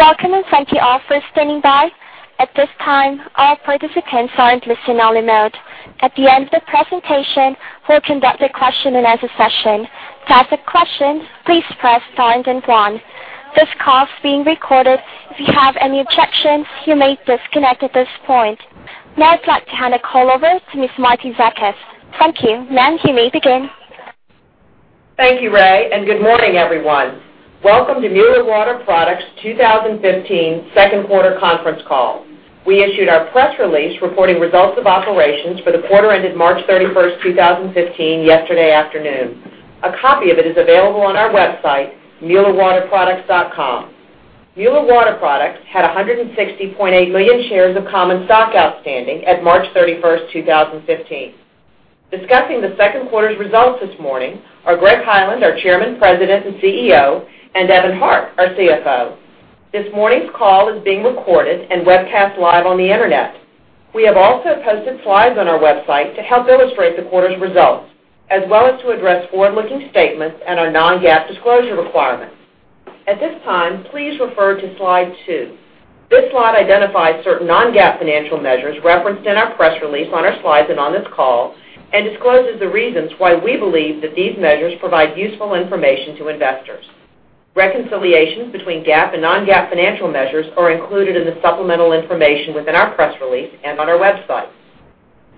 Welcome. Thank you all for standing by. At this time, all participants are in listen-only mode. At the end of the presentation, we'll conduct a question-and-answer session. To ask a question, please press star then one. This call is being recorded. If you have any objections, you may disconnect at this point. I'd like to hand the call over to Ms. Martie Zakas. Thank you. Ma'am, you may begin. Thank you, Ray. Good morning, everyone. Welcome to Mueller Water Products' 2015 second quarter conference call. We issued our press release reporting results of operations for the quarter ended March 31st, 2015, yesterday afternoon. A copy of it is available on our website, muellerwaterproducts.com. Mueller Water Products had 160.8 million shares of common stock outstanding at March 31st, 2015. Discussing the second quarter's results this morning are Greg Hyland, our Chairman, President, and CEO, and Evan Hart, our CFO. This morning's call is being recorded webcast live on the internet. We have also posted slides on our website to help illustrate the quarter's results, as well as to address forward-looking statements our non-GAAP disclosure requirements. At this time, please refer to Slide 2. This slide identifies certain non-GAAP financial measures referenced in our press release, on our slides, on this call, discloses the reasons why we believe that these measures provide useful information to investors. Reconciliations between GAAP and non-GAAP financial measures are included in the supplemental information within our press release on our website.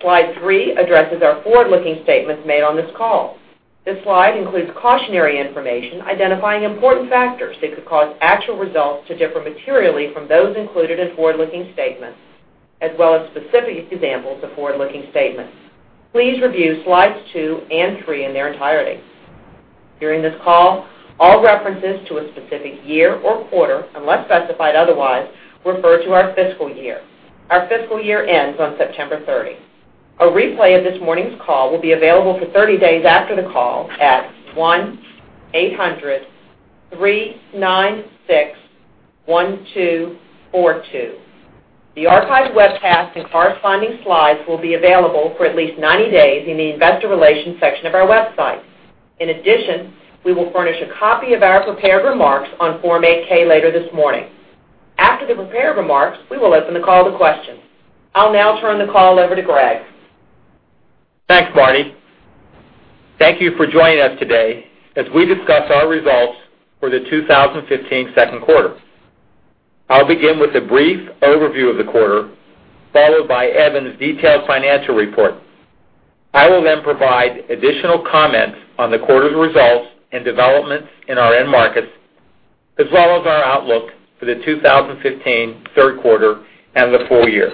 Slide 3 addresses our forward-looking statements made on this call. This slide includes cautionary information identifying important factors that could cause actual results to differ materially from those included in forward-looking statements, as well as specific examples of forward-looking statements. Please review Slides 2 and 3 in their entirety. During this call, all references to a specific year or quarter, unless specified otherwise, refer to our fiscal year. Our fiscal year ends on September 30th. A replay of this morning's call will be available for 30 days after the call at 1-800-396-1242. The archived webcast corresponding slides will be available for at least 90 days in the investor relations section of our website. In addition, we will furnish a copy of our prepared remarks on Form 8-K later this morning. After the prepared remarks, we will open the call to questions. I'll now turn the call over to Greg. Thanks, Martie. Thank you for joining us today as we discuss our results for the 2015 second quarter. I'll begin with a brief overview of the quarter, followed by Evan's detailed financial report. I will then provide additional comments on the quarter's results and developments in our end markets, as well as our outlook for the 2015 third quarter and the full year.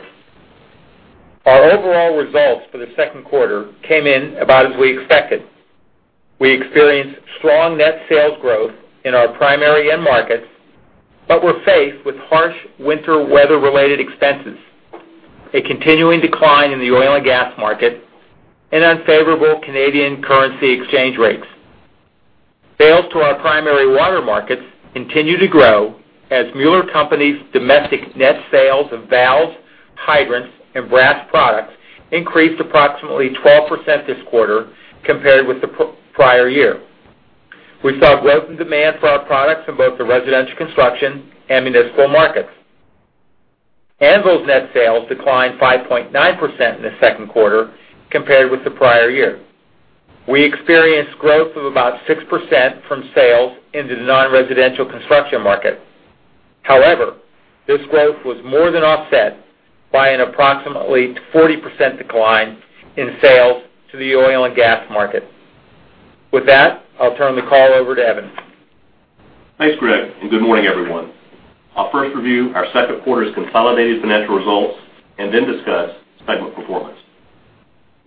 Our overall results for the second quarter came in about as we expected. We experienced strong net sales growth in our primary end markets, but were faced with harsh winter weather-related expenses, a continuing decline in the oil and gas market, and unfavorable Canadian currency exchange rates. Sales to our primary water markets continue to grow as Mueller Co.'s domestic net sales of valves, hydrants, and brass products increased approximately 12% this quarter compared with the prior year. We saw growth in demand for our products in both the residential construction and municipal markets. Anvil's net sales declined 5.9% in the second quarter compared with the prior year. We experienced growth of about 6% from sales into the non-residential construction market. This growth was more than offset by an approximately 40% decline in sales to the oil and gas market. With that, I'll turn the call over to Evan. Thanks, Greg, and good morning, everyone. I'll first review our second quarter's consolidated financial results and then discuss segment performance.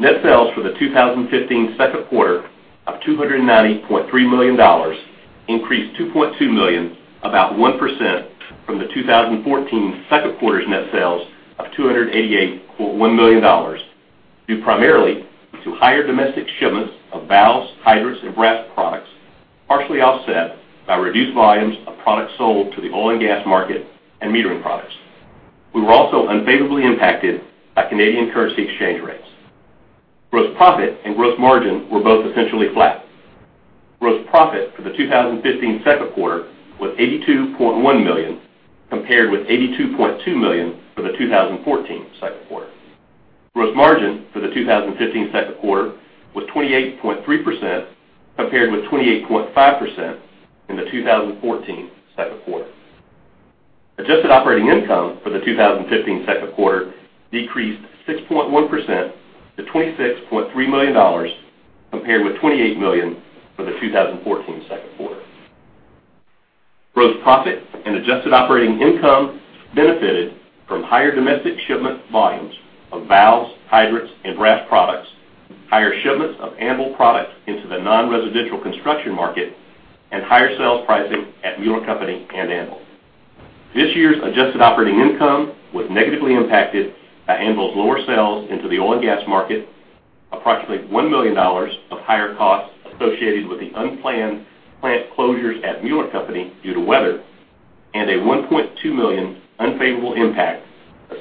Net sales for the 2015 second quarter of $290.3 million increased $2.2 million, about 1% from the 2014 second quarter's net sales of $288.1 million, due primarily to higher domestic shipments of valves, hydrants, and brass products, partially offset by reduced volumes of products sold to the oil and gas market and metering products. We were also unfavorably impacted by Canadian currency exchange rates. Gross profit and gross margin were both essentially flat. Gross profit for the 2015 second quarter was $82.1 million, compared with $82.2 million for the 2014 second quarter. Gross margin for the 2015 second quarter was 28.3%, compared with 28.5% in the 2014 second quarter. Adjusted operating income for the 2015 second quarter decreased 6.1% to $26.3 million, compared with $28 million for the 2014 second quarter. Gross profit and adjusted operating income benefited from higher domestic shipment volumes of valves, hydrants, and brass products, higher shipments of Anvil product into the non-residential construction market, and higher sales pricing at Mueller Co. and Anvil. This year's adjusted operating income was negatively impacted by Anvil's lower sales into the oil and gas market, approximately $1 million of higher costs associated with the unplanned plant closures at Mueller Co. due to weather, and a $1.2 million unfavorable impact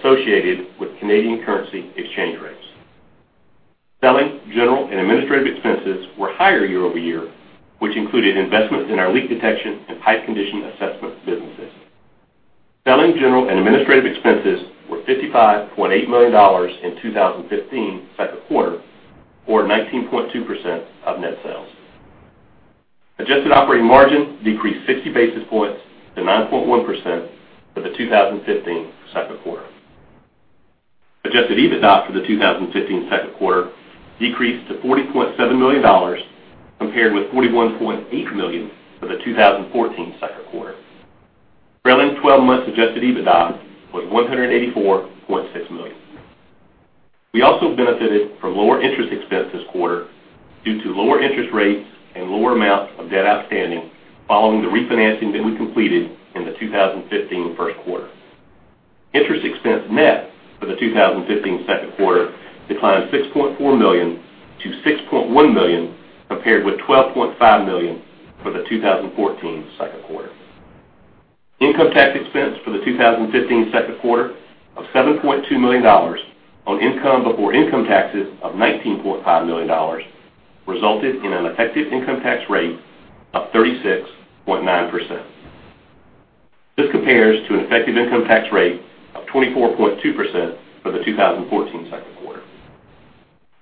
associated with Canadian currency exchange rates. Selling general and administrative expenses were higher year-over-year, which included investments in our leak detection and pipe condition assessment businesses. Selling general and administrative expenses were $55.8 million in 2015 second quarter or 19.2% of net sales. Adjusted operating margin decreased 60 basis points to 9.1% for the 2015 second quarter. Adjusted EBITDA for the 2015 second quarter decreased to $40.7 million compared with $41.8 million for the 2014 second quarter. Trailing 12 months adjusted EBITDA was $184.6 million. We also benefited from lower interest expense this quarter due to lower interest rates and lower amounts of debt outstanding following the refinancing that we completed in the 2015 first quarter. Interest expense net for the 2015 second quarter declined $6.4 million to $6.1 million compared with $12.5 million for the 2014 second quarter. Income tax expense for the 2015 second quarter of $7.2 million on income before income taxes of $19.5 million resulted in an effective income tax rate of 36.9%. This compares to an effective income tax rate of 24.2% for the 2014 second quarter.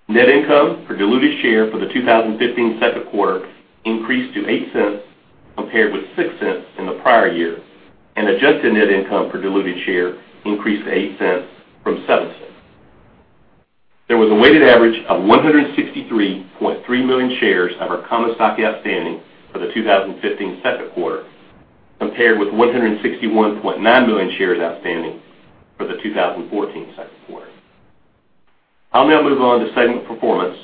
Net income per diluted share for the 2015 second quarter increased to $0.08 compared with $0.06 in the prior year, and adjusted net income per diluted share increased to $0.08 from $0.07. There was a weighted average of 163.3 million shares of our common stock outstanding for the 2015 second quarter, compared with 161.9 million shares outstanding for the 2014 second quarter. I'll now move on to segment performance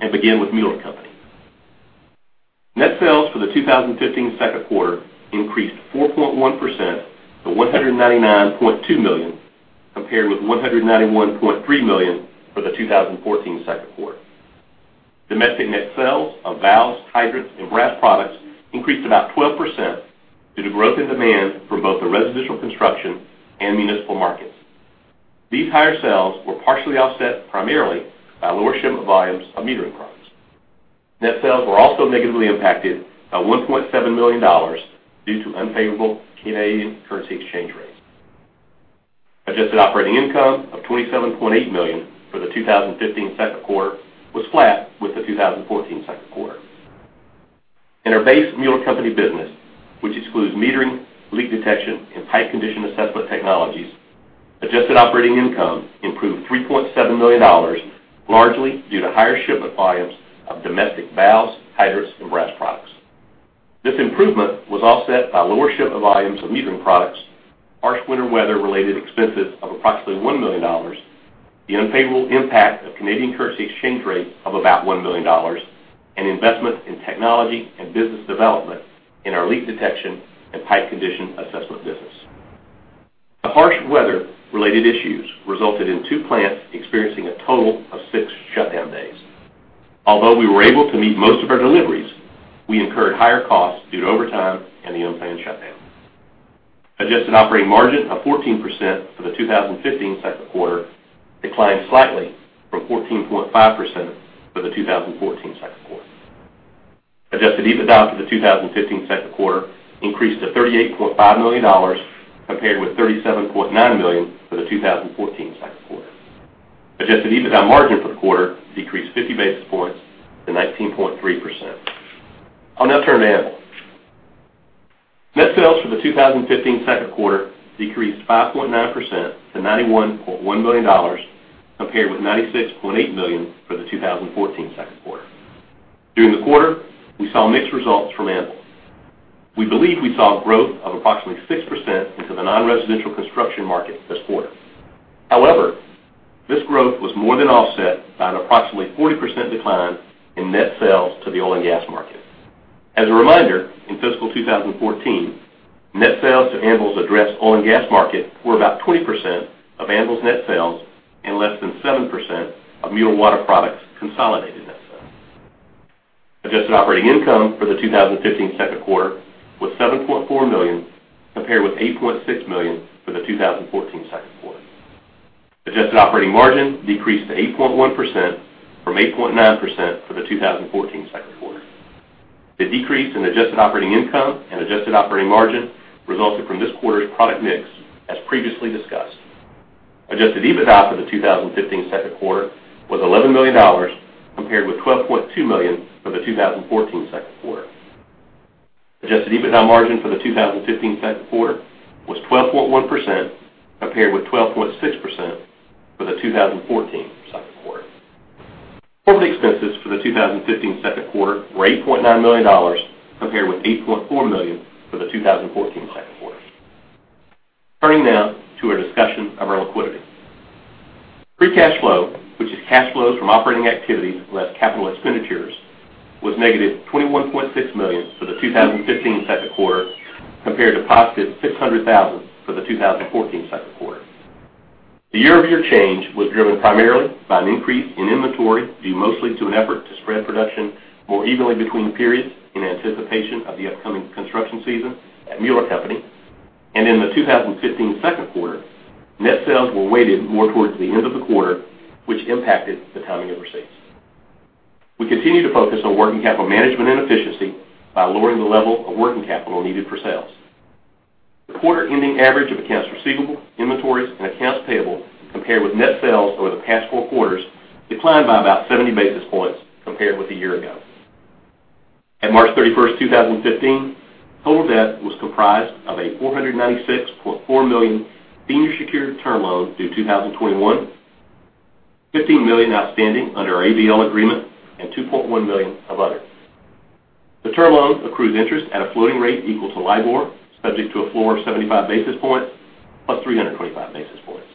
and begin with Mueller Co. Net sales for the 2015 second quarter increased 4.1% to $199.2 million, compared with $191.3 million for the 2014 second quarter. Domestic net sales of valves, hydrants, and brass products increased about 12% due to growth in demand from both the residential construction and municipal markets. These higher sales were partially offset primarily by lower shipment volumes of metering products. Net sales were also negatively impacted by $1.7 million due to unfavorable CAD currency exchange rates. Adjusted operating income of $27.8 million for the 2015 second quarter was flat with the 2014 second quarter. In our base Mueller Co. business, which excludes metering, fixed leak detection, and pipe condition assessment technologies, adjusted operating income improved $3.7 million, largely due to higher shipment volumes of domestic valves, hydrants, and brass products. This improvement was offset by lower shipment volumes of metering products, harsh winter weather-related expenses of approximately $1 million, the unfavorable impact of CAD currency exchange rates of about $1 million, and investment in technology and business development in our fixed leak detection and pipe condition assessment business. The harsh weather-related issues resulted in two plants experiencing a total of six shutdown days. Although we were able to meet most of our deliveries, we incurred higher costs due to overtime and the unplanned shutdowns. Adjusted operating margin of 14% for the 2015 second quarter declined slightly from 14.5% for the 2014 second quarter. Adjusted EBITDA for the 2015 second quarter increased to $38.5 million compared with $37.9 million for the 2014 second quarter. Adjusted EBITDA margin for the quarter decreased 50 basis points to 19.3%. I'll now turn to Anvil. Net sales for the 2015 second quarter decreased 5.9% to $91.1 million compared with $96.8 million for the 2014 second quarter. During the quarter, we saw mixed results from Anvil. We believe we saw growth of approximately 6% into the non-residential construction market this quarter. However, this growth was more than offset by an approximately 40% decline in net sales to the oil and gas market. As a reminder, in fiscal 2014, net sales to Anvil's address oil and gas market were about 20% of Anvil's net sales and less than 7% of Mueller Water Products' consolidated net sales. Adjusted operating income for the 2015 second quarter was $7.4 million compared with $8.6 million for the 2014 second quarter. Adjusted operating margin decreased to 8.1% from 8.9% for the 2014 second quarter. The decrease in adjusted operating income and adjusted operating margin resulted from this quarter's product mix as previously discussed. Adjusted EBITDA for the 2015 second quarter was $11 million compared with $12.2 million for the 2014 second quarter. Adjusted EBITDA margin for the 2015 second quarter was 12.1% compared with 12.6% for the 2014 second quarter. Total expenses for the 2015 second quarter were $8.9 million compared with $8.4 million for the 2014 second quarter. Turning now to our discussion of our liquidity. Free cash flow, which is cash flows from operating activities less capital expenditures, was negative $21.6 million for the 2015 second quarter compared to positive $600,000 for the 2014 second quarter. The year-over-year change was driven primarily by an increase in inventory due mostly to an effort to spread production more evenly between the periods in anticipation of the upcoming construction season at Mueller Co. In the 2015 second quarter, net sales were weighted more towards the end of the quarter, which impacted the timing of receipts. We continue to focus on working capital management and efficiency by lowering the level of working capital needed for sales. The quarter-ending average of accounts receivable, inventories, and accounts payable compared with net sales over the past four quarters declined by about 70 basis points compared with a year ago. At March 31st, 2015, total debt was comprised of a $496.4 million senior secured term loan due 2021, $15 million outstanding under our ABL agreement, and $2.1 million of others. The term loan accrues interest at a floating rate equal to LIBOR, subject to a floor of 75 basis points, plus 325 basis points.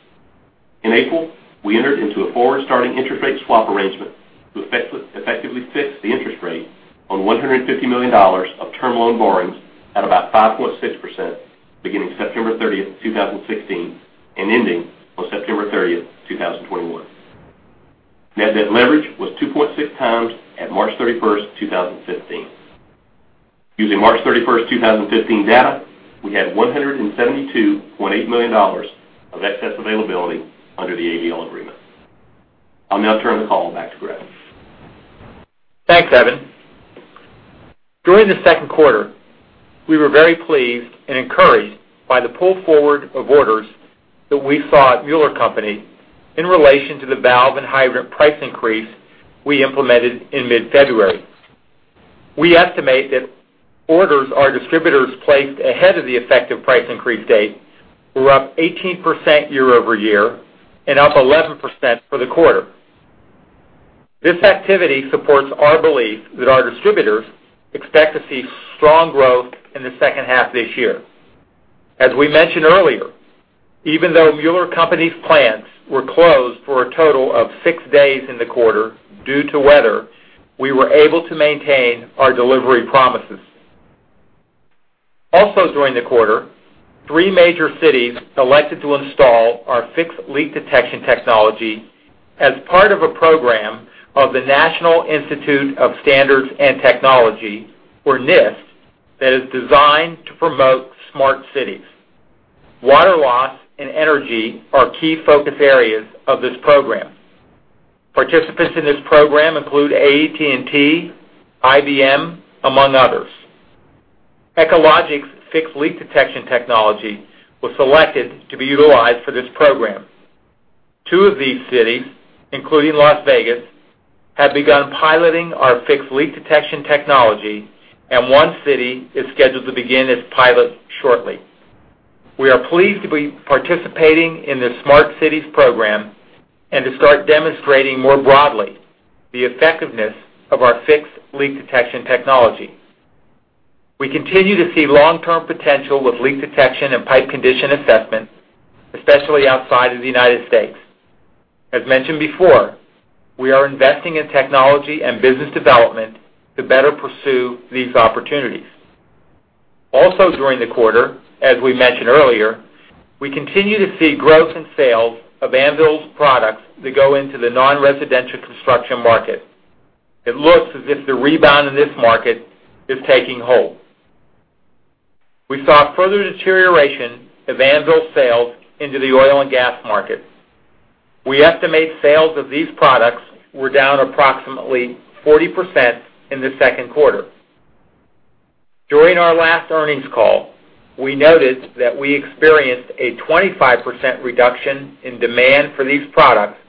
In April, we entered into a forward-starting interest rate swap arrangement to effectively fix the interest rate on $150 million of term loan borrowings at about 5.6% beginning September 30th, 2016, and ending on September 30th, 2021. Net debt leverage was 2.6 times at March 31st, 2015. Using March 31st, 2015 data, we had $172.8 million of excess availability under the ABL agreement. I'll now turn the call back to Greg. Thanks, Evan. During the second quarter, we were very pleased and encouraged by the pull forward of orders that we saw at Mueller Co. in relation to the valve and hydrant price increase we implemented in mid-February. We estimate that orders our distributors placed ahead of the effective price increase date were up 18% year-over-year and up 11% for the quarter. This activity supports our belief that our distributors expect to see strong growth in the second half of this year. As we mentioned earlier, even though Mueller Co.'s plants were closed for a total of six days in the quarter due to weather, we were able to maintain our delivery promises. Also during the quarter, three major cities elected to install our fixed leak detection technology as part of a program of the National Institute of Standards and Technology, or NIST, that is designed to promote smart cities. Water loss and energy are key focus areas of this program. Participants in this program include AT&T, IBM, among others. Echologics' fixed leak detection technology was selected to be utilized for this program. Two of these cities, including Las Vegas, have begun piloting our fixed leak detection technology, and one city is scheduled to begin its pilot shortly. We are pleased to be participating in this smart cities program and to start demonstrating more broadly the effectiveness of our fixed leak detection technology. We continue to see long-term potential with leak detection and pipe condition assessment, especially outside of the United States. As mentioned before, we are investing in technology and business development to better pursue these opportunities. Also during the quarter, as we mentioned earlier, we continue to see growth in sales of Anvil's products that go into the non-residential construction market. It looks as if the rebound in this market is taking hold. We saw further deterioration of Anvil sales into the oil and gas market. We estimate sales of these products were down approximately 40% in the second quarter. During our last earnings call, we noted that we experienced a 25% reduction in demand for these products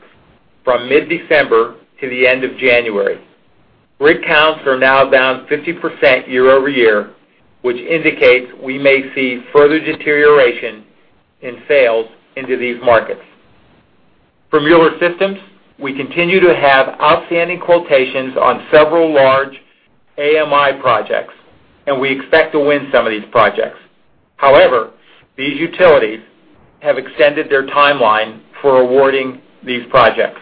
from mid-December to the end of January. Rig counts are now down 50% year-over-year, which indicates we may see further deterioration in sales into these markets. For Mueller Systems, we continue to have outstanding quotations on several large AMI projects, and we expect to win some of these projects. However, these utilities have extended their timeline for awarding these projects.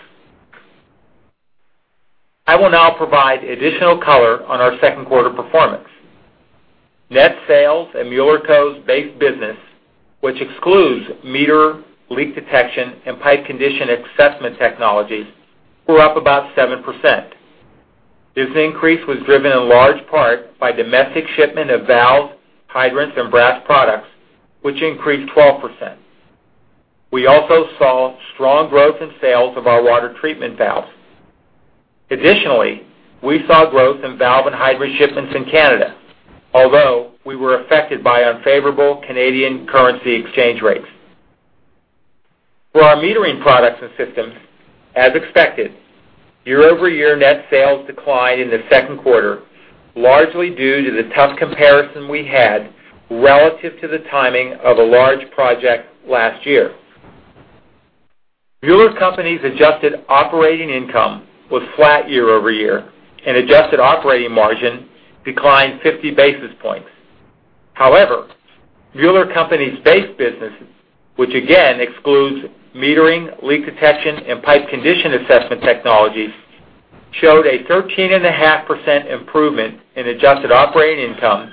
I will now provide additional color on our second quarter performance. Net sales at Mueller Co.'s base business, which excludes meter, leak detection, and pipe condition assessment technologies, were up about 7%. This increase was driven in large part by domestic shipment of valves, hydrants, and brass products, which increased 12%. We also saw strong growth in sales of our water treatment valves. Additionally, we saw growth in valve and hydrant shipments in Canada, although we were affected by unfavorable Canadian currency exchange rates. For our metering products and systems, as expected, year-over-year net sales declined in the second quarter, largely due to the tough comparison we had relative to the timing of a large project last year. Mueller Co.'s adjusted operating income was flat year-over-year, and adjusted operating margin declined 50 basis points. However, Mueller Co.'s base businesses, which again excludes metering, leak detection, and pipe condition assessment technologies, showed a 13.5% improvement in adjusted operating income,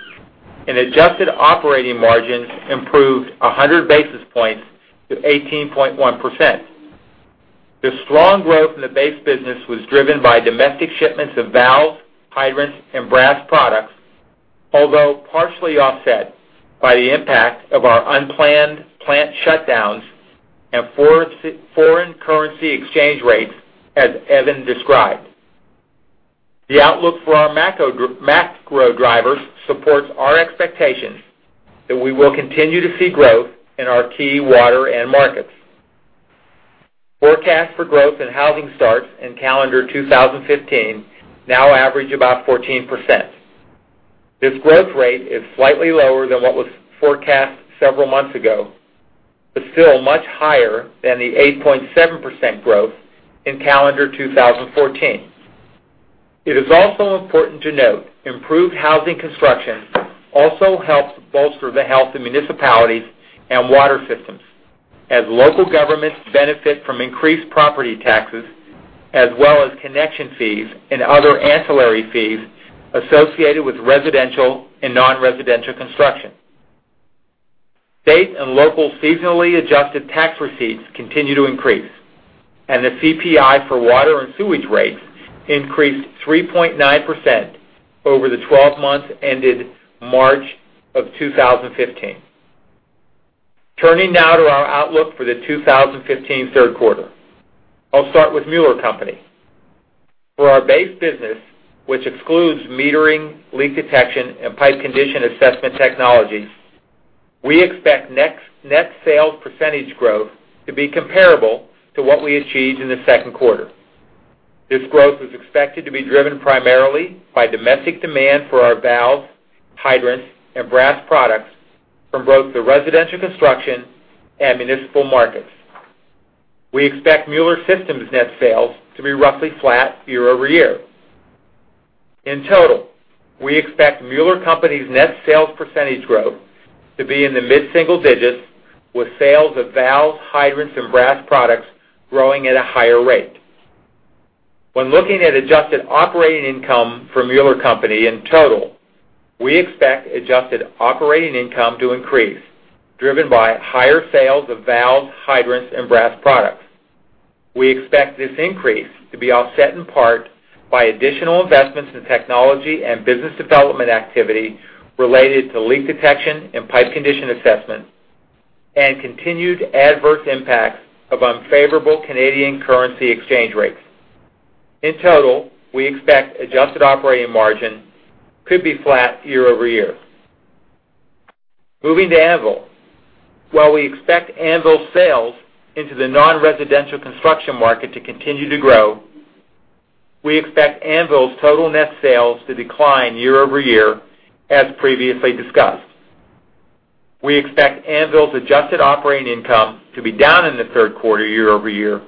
and adjusted operating margins improved 100 basis points to 18.1%. The strong growth in the base business was driven by domestic shipments of valves, hydrants, and brass products, although partially offset by the impact of our unplanned plant shutdowns and foreign currency exchange rates, as Evan described. The outlook for our macro drivers supports our expectations that we will continue to see growth in our key water end markets. Forecast for growth in housing starts in calendar 2015 now average about 14%. This growth rate is slightly lower than what was forecast several months ago, but still much higher than the 8.7% growth in calendar 2014. It is also important to note, improved housing construction also helps bolster the health of municipalities and water systems as local governments benefit from increased property taxes, as well as connection fees and other ancillary fees associated with residential and non-residential construction. State and local seasonally adjusted tax receipts continue to increase, and the CPI for water and sewage rates increased 3.9% over the 12 months ended March 2015. Turning now to our outlook for the 2015 third quarter. I'll start with Mueller Co. For our base business, which excludes metering, leak detection, and pipe condition assessment technologies, we expect net sales percentage growth to be comparable to what we achieved in the second quarter. This growth is expected to be driven primarily by domestic demand for our valves, hydrants, and brass products from both the residential construction and municipal markets. We expect Mueller Systems net sales to be roughly flat year-over-year. In total, we expect Mueller Co.'s net sales percentage growth to be in the mid-single digits, with sales of valves, hydrants, and brass products growing at a higher rate. When looking at adjusted operating income for Mueller Co. in total, we expect adjusted operating income to increase, driven by higher sales of valves, hydrants, and brass products. We expect this increase to be offset in part by additional investments in technology and business development activity related to leak detection and pipe condition assessment, and continued adverse impacts of unfavorable Canadian currency exchange rates. In total, we expect adjusted operating margin could be flat year-over-year. Moving to Anvil. While we expect Anvil sales into the non-residential construction market to continue to grow, we expect Anvil's total net sales to decline year-over-year, as previously discussed. We expect Anvil's adjusted operating income to be down in the third quarter year-over-year,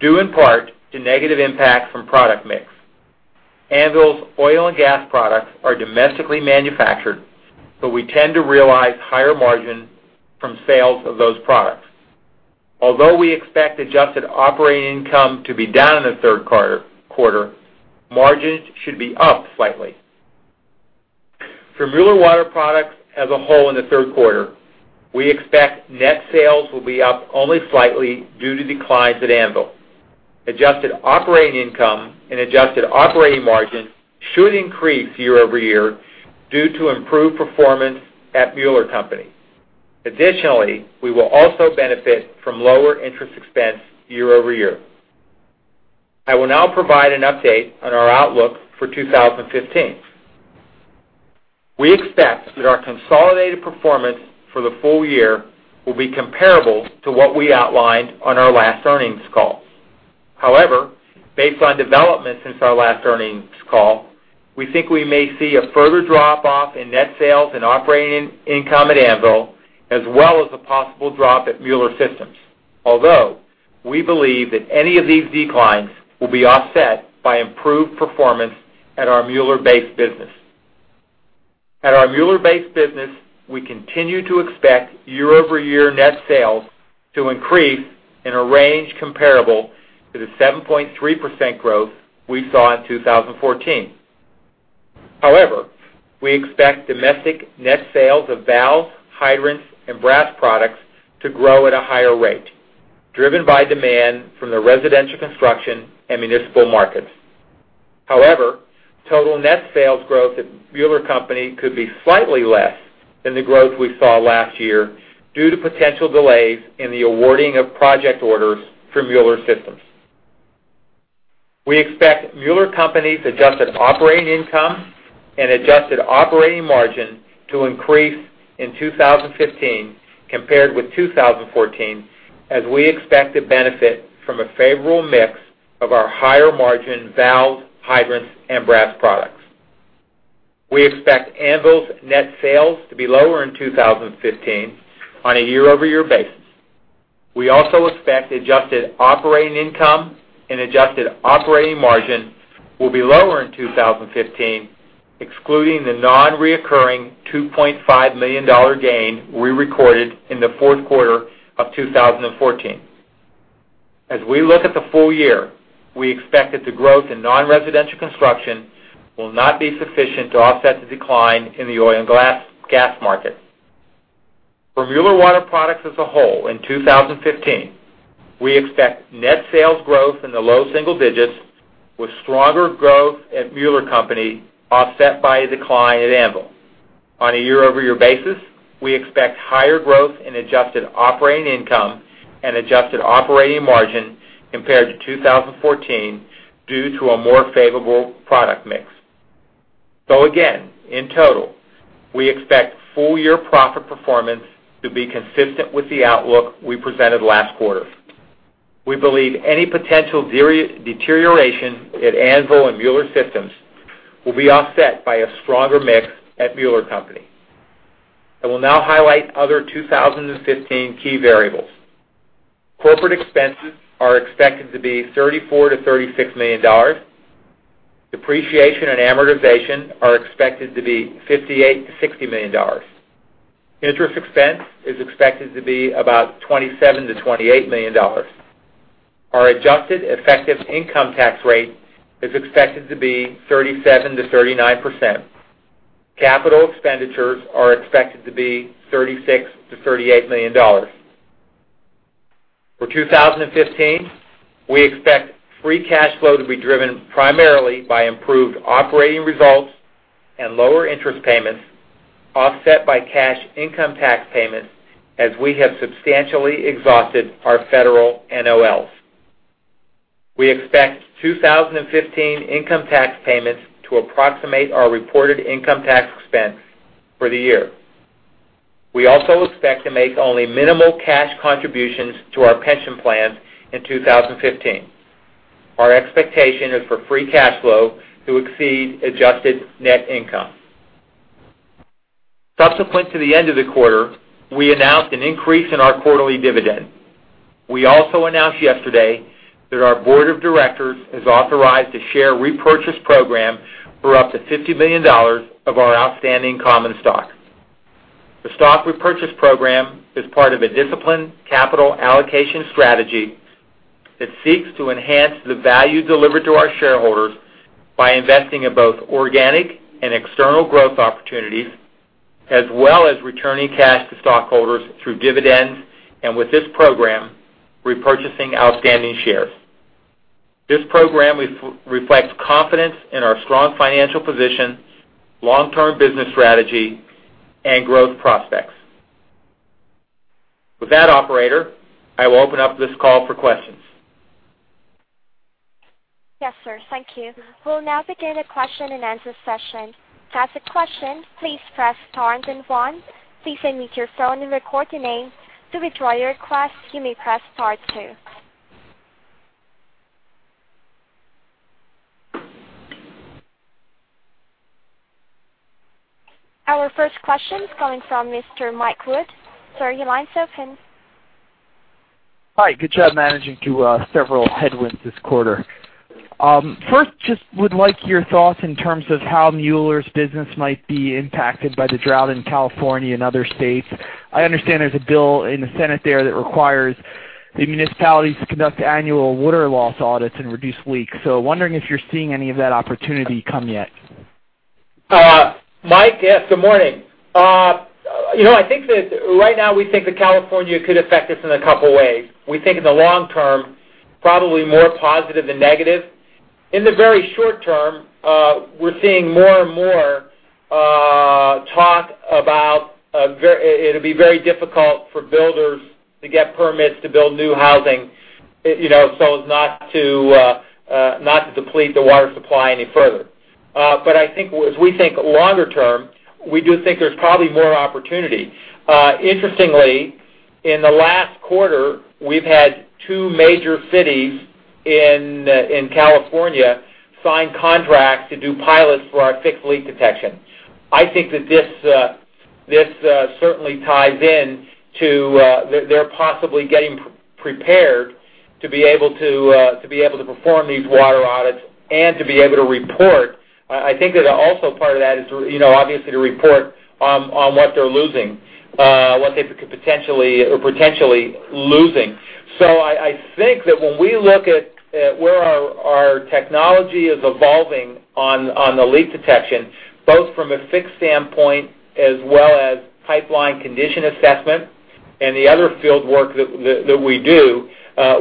due in part to negative impact from product mix. Anvil's oil and gas products are domestically manufactured, but we tend to realize higher margin from sales of those products. Although we expect adjusted operating income to be down in the third quarter, margins should be up slightly. For Mueller Water Products as a whole in the third quarter, we expect net sales will be up only slightly due to declines at Anvil. Adjusted operating income and adjusted operating margin should increase year-over-year due to improved performance at Mueller Co. Additionally, we will also benefit from lower interest expense year-over-year. I will now provide an update on our outlook for 2015. We expect that our consolidated performance for the full year will be comparable to what we outlined on our last earnings call. However, based on developments since our last earnings call, we think we may see a further drop-off in net sales and operating income at Anvil, as well as a possible drop at Mueller Systems. Although we believe that any of these declines will be offset by improved performance at our Mueller base business. At our Mueller base business, we continue to expect year-over-year net sales to increase in a range comparable to the 7.3% growth we saw in 2014. However, we expect domestic net sales of valves, hydrants, and brass products to grow at a higher rate, driven by demand from the residential construction and municipal markets. Total net sales growth at Mueller Company could be slightly less than the growth we saw last year due to potential delays in the awarding of project orders from Mueller Systems. We expect Mueller Company's adjusted operating income and adjusted operating margin to increase in 2015 compared with 2014, as we expect to benefit from a favorable mix of our higher margin valves, hydrants, and brass products. We expect Anvil's net sales to be lower in 2015 on a year-over-year basis. We also expect adjusted operating income and adjusted operating margin will be lower in 2015, excluding the non-recurring $2.5 million gain we recorded in the fourth quarter of 2014. As we look at the full year, we expect that the growth in non-residential construction will not be sufficient to offset the decline in the oil and gas market. For Mueller Water Products as a whole in 2015, we expect net sales growth in the low single digits with stronger growth at Mueller Company offset by a decline at Anvil. On a year-over-year basis, we expect higher growth in adjusted operating income and adjusted operating margin compared to 2014 due to a more favorable product mix. Again, in total, we expect full-year profit performance to be consistent with the outlook we presented last quarter. We believe any potential deterioration at Anvil and Mueller Systems will be offset by a stronger mix at Mueller Company. I will now highlight other 2015 key variables. Corporate expenses are expected to be $34 million-$36 million. Depreciation and amortization are expected to be $58 million-$60 million. Interest expense is expected to be about $27 million-$28 million. Our adjusted effective income tax rate is expected to be 37%-39%. Capital expenditures are expected to be $36 million-$38 million. For 2015, we expect free cash flow to be driven primarily by improved operating results and lower interest payments, offset by cash income tax payments as we have substantially exhausted our federal NOLs. We expect 2015 income tax payments to approximate our reported income tax expense for the year. We also expect to make only minimal cash contributions to our pension plan in 2015. Our expectation is for free cash flow to exceed adjusted net income. Subsequent to the end of the quarter, we announced an increase in our quarterly dividend. We also announced yesterday that our board of directors has authorized a share repurchase program for up to $50 million of our outstanding common stock. The stock repurchase program is part of a disciplined capital allocation strategy that seeks to enhance the value delivered to our shareholders by investing in both organic and external growth opportunities, as well as returning cash to stockholders through dividends, and with this program, repurchasing outstanding shares. This program reflects confidence in our strong financial position, long-term business strategy, and growth prospects. With that, operator, I will open up this call for questions. Yes, sir. Thank you. We'll now begin a question-and-answer session. To ask a question, please press star then one. Please unmute your phone and record your name. To withdraw your request, you may press star two. Our first question is coming from Mr. Michael Wood. Sir, your line's open. Hi. Good job managing through several headwinds this quarter. First, just would like your thoughts in terms of how Mueller's business might be impacted by the drought in California and other states. I understand there's a bill in the Senate there that requires the municipalities to conduct annual water loss audits and reduce leaks. Wondering if you're seeing any of that opportunity come yet. Mike, yes, good morning. I think that right now we think that California could affect us in a couple ways. We think in the long term, probably more positive than negative. In the very short term, we're seeing more and more talk about it'll be very difficult for builders to get permits to build new housing, so as not to deplete the water supply any further. I think as we think longer term, we do think there's probably more opportunity. Interestingly, in the last quarter, we've had two major cities in California sign contracts to do pilots for our fixed leak detection. I think that this certainly ties in to they're possibly getting prepared to be able to perform these water audits and to be able to report. I think that also part of that is obviously to report on what they're losing, what they could potentially losing. I think that when we look at where our technology is evolving on the leak detection, both from a fixed standpoint as well as pipe condition assessment and the other field work that we do,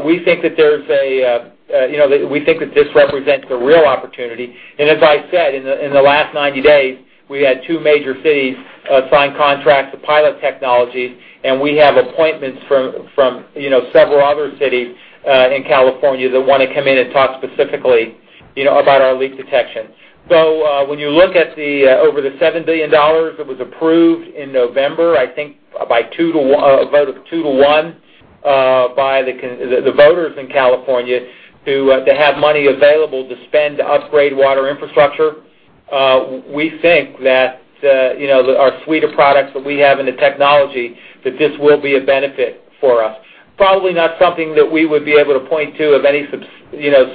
we think that this represents a real opportunity. As I said, in the last 90 days, we had two major cities sign contracts to pilot technologies, and we have appointments from several other cities in California that want to come in and talk specifically about our leak detection. When you look at over the $7 billion that was approved in November, I think by a vote of two to one by the voters in California to have money available to spend to upgrade water infrastructure, we think that our suite of products that we have and the technology, that this will be a benefit for us. Probably not something that we would be able to point to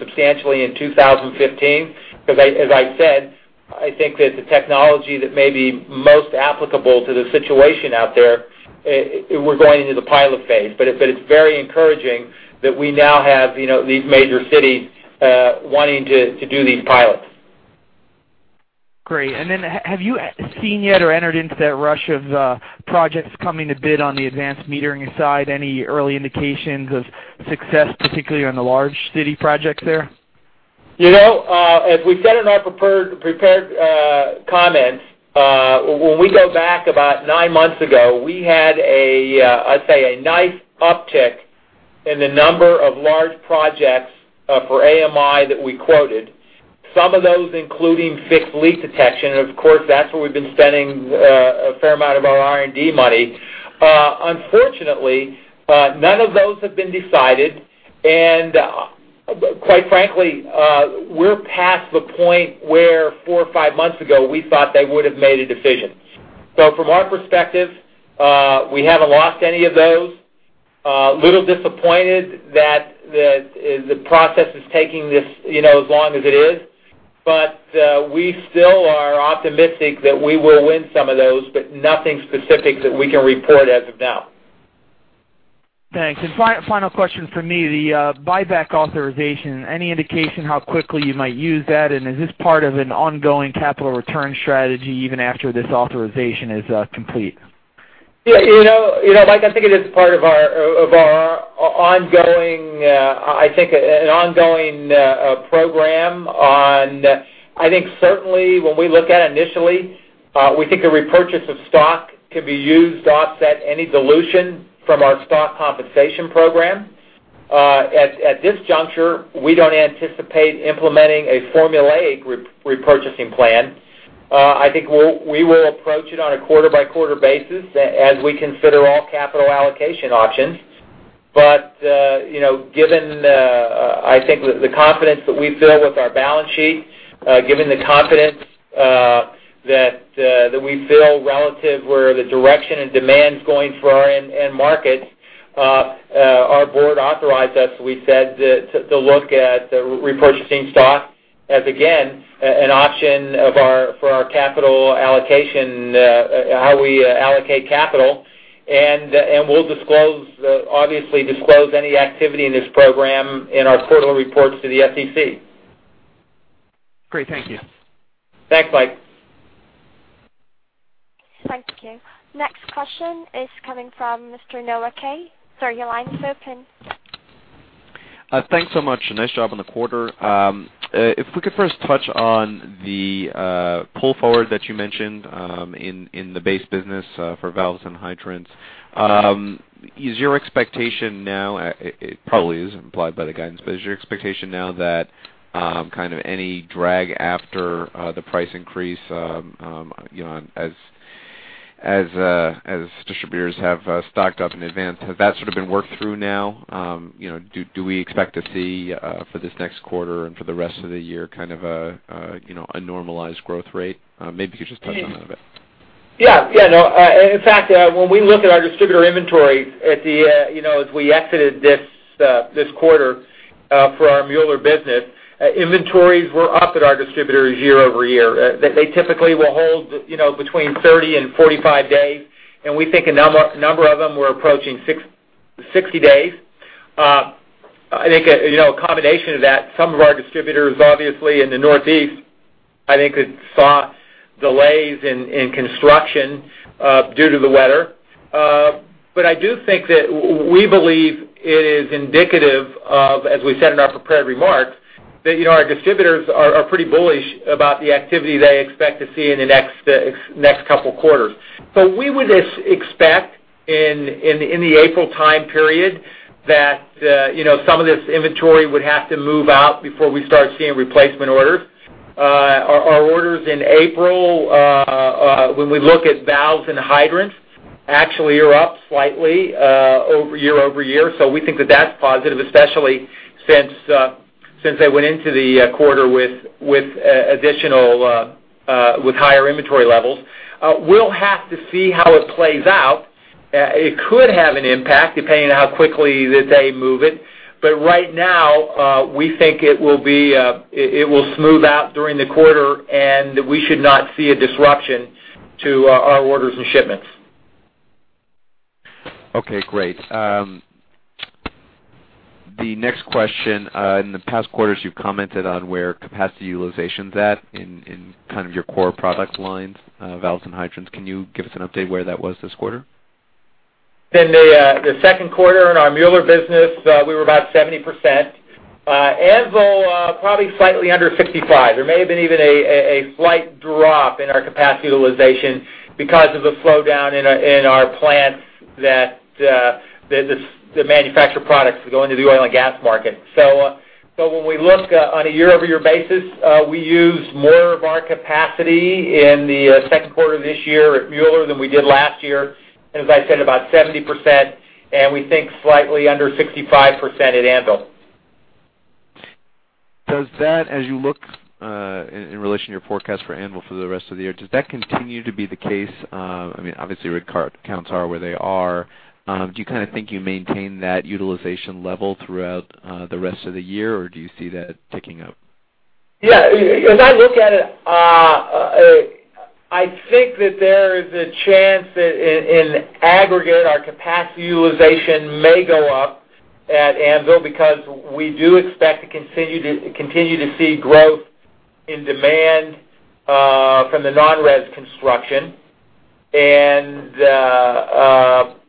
substantially in 2015, because as I said, I think that the technology that may be most applicable to the situation out there, we're going into the pilot phase. It's very encouraging that we now have these major cities wanting to do these pilots. Great. Have you seen yet or entered into that rush of projects coming to bid on the advanced metering side? Any early indications of success, particularly on the large city projects there? As we said in our prepared comments, when we go back about nine months ago, we had, I'd say, a nice uptick in the number of large projects for AMI that we quoted, some of those including fixed leak detection. Of course, that's where we've been spending a fair amount of our R&D money. Unfortunately, none of those have been decided, and quite frankly, we're past the point where four or five months ago we thought they would have made a decision. From our perspective, we haven't lost any of those. A little disappointed that the process is taking as long as it is. We still are optimistic that we will win some of those, but nothing specific that we can report as of now. Thanks. Final question from me, the buyback authorization. Any indication how quickly you might use that? Is this part of an ongoing capital return strategy even after this authorization is complete? Yeah. Mike, it is part of our ongoing program. I think certainly when we look at it initially, we think a repurchase of stock could be used to offset any dilution from our stock compensation program. At this juncture, we don't anticipate implementing a formulaic repurchasing plan. I think we will approach it on a quarter-by-quarter basis as we consider all capital allocation options. Given the confidence that we feel with our balance sheet, given the confidence that we feel relative where the direction and demand's going for our end markets, our Board authorized us, as we said, to look at repurchasing stock as, again, an option for our capital allocation, how we allocate capital, and we'll obviously disclose any activity in this program in our quarterly reports to the SEC. Great. Thank you. Thanks, Mike. Thank you. Next question is coming from Mr. Noah Kaye. Sir, your line is open. Thanks so much. Nice job on the quarter. If we could first touch on the pull forward that you mentioned in the base business for valves and hydrants. Is your expectation now, it probably is implied by the guidance, but is your expectation now that kind of any drag after the price increase as distributors have stocked up in advance, has that sort of been worked through now? Do we expect to see for this next quarter and for the rest of the year kind of a normalized growth rate? Maybe you could just touch on that a bit. In fact, when we look at our distributor inventory as we exited this quarter for our Mueller business, inventories were up at our distributors year-over-year. They typically will hold between 30 and 45 days, and we think a number of them were approaching 60 days. I think a combination of that, some of our distributors, obviously in the Northeast, I think had seen delays in construction due to the weather. I do think that we believe it is indicative of, as we said in our prepared remarks, that our distributors are pretty bullish about the activity they expect to see in the next couple of quarters. We would expect in the April time period that some of this inventory would have to move out before we start seeing replacement orders. Our orders in April, when we look at valves and hydrants, actually are up slightly year-over-year. We think that that's positive, especially since they went into the quarter with higher inventory levels. We'll have to see how it plays out. It could have an impact depending on how quickly that they move it. Right now, we think it will smooth out during the quarter, and we should not see a disruption to our orders and shipments. Okay, great. The next question, in the past quarters, you've commented on where capacity utilization's at in kind of your core product lines, valves and hydrants. Can you give us an update where that was this quarter? In the second quarter in our Mueller business, we were about 70%. Anvil, probably slightly under 65%. There may have been even a slight drop in our capacity utilization because of the slowdown in our plants that manufacture products that go into the oil and gas market. When we look on a year-over-year basis, we used more of our capacity in the second quarter of this year at Mueller than we did last year, as I said, about 70%, and we think slightly under 65% at Anvil. As you look in relation to your forecast for Anvil for the rest of the year, does that continue to be the case? Obviously, rig counts are where they are. Do you think you maintain that utilization level throughout the rest of the year, or do you see that picking up? Yeah. As I look at it I think that there is a chance that in aggregate, our capacity utilization may go up at Anvil because we do expect to continue to see growth in demand from the non-res construction.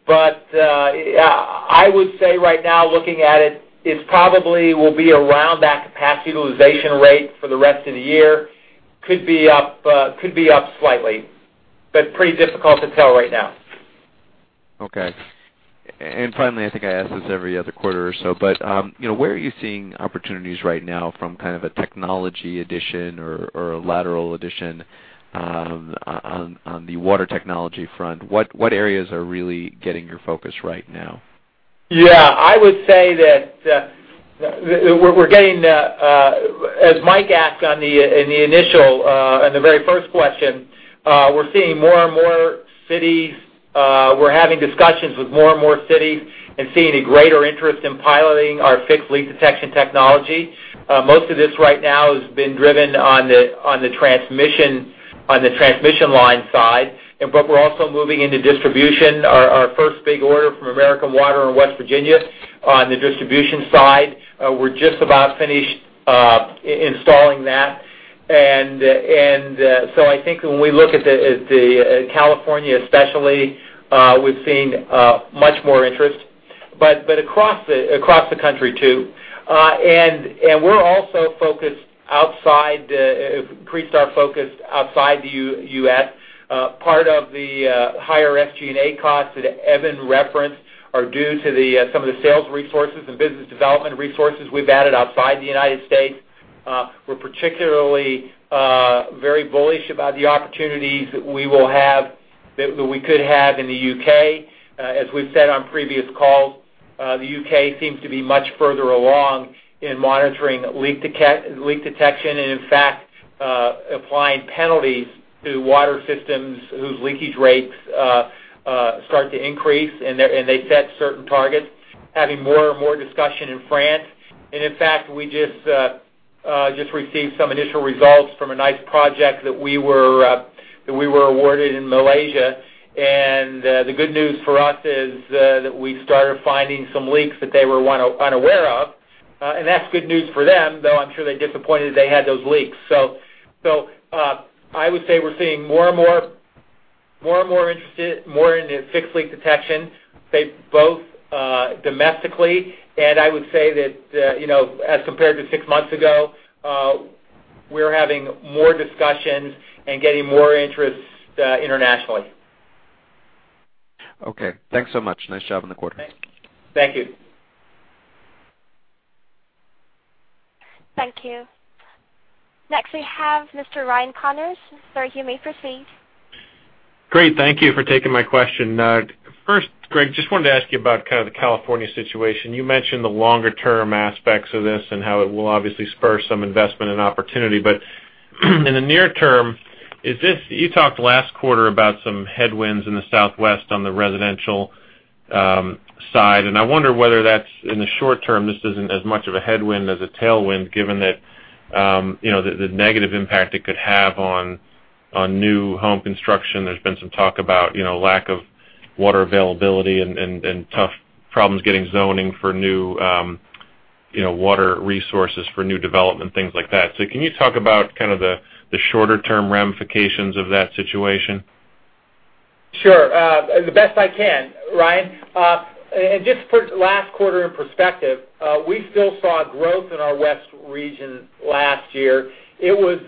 I would say right now, looking at it probably will be around that capacity utilization rate for the rest of the year. Could be up slightly, but pretty difficult to tell right now. Okay. Finally, I think I ask this every other quarter or so, where are you seeing opportunities right now from a technology addition or a lateral addition on the water technology front? What areas are really getting your focus right now? Yeah. I would say that as Mike asked in the very first question, we're seeing more and more cities, we're having discussions with more and more cities and seeing a greater interest in piloting our fixed leak detection technology. Most of this right now has been driven on the transmission line side. We're also moving into distribution. Our first big order from American Water in West Virginia on the distribution side, we're just about finished installing that. I think when we look at California especially, we've seen much more interest, but across the country too. We're also focused outside the U.S. Part of the higher SG&A costs that Evan referenced are due to some of the sales resources and business development resources we've added outside the United States. We're particularly very bullish about the opportunities that we could have in the U.K. As we've said on previous calls, the U.K. seems to be much further along in monitoring leak detection, in fact, applying penalties to water systems whose leakage rates start to increase, and they set certain targets. Having more and more discussion in France. In fact, we just received some initial results from a nice project that we were awarded in Malaysia, the good news for us is that we started finding some leaks that they were unaware of. That's good news for them, though I'm sure they're disappointed they had those leaks. I would say we're seeing more and more interest in fixed leak detection, both domestically, and I would say that as compared to six months ago, we're having more discussions and getting more interest internationally. Okay. Thanks so much. Nice job on the quarter. Thank you. Thank you. Next, we have Mr. Ryan Connors. Sir, you may proceed. Great. Thank you for taking my question. First, Greg, just wanted to ask you about the California situation. You mentioned the longer-term aspects of this and how it will obviously spur some investment and opportunity. In the near term, you talked last quarter about some headwinds in the Southwest on the residential side, and I wonder whether that's, in the short term, this isn't as much of a headwind as a tailwind, given that the negative impact it could have on new home construction. There's been some talk about lack of water availability and tough problems getting zoning for new water resources for new development, things like that. Can you talk about the shorter-term ramifications of that situation? Sure. The best I can, Ryan. Just to put last quarter in perspective, we still saw growth in our west region last year. It was,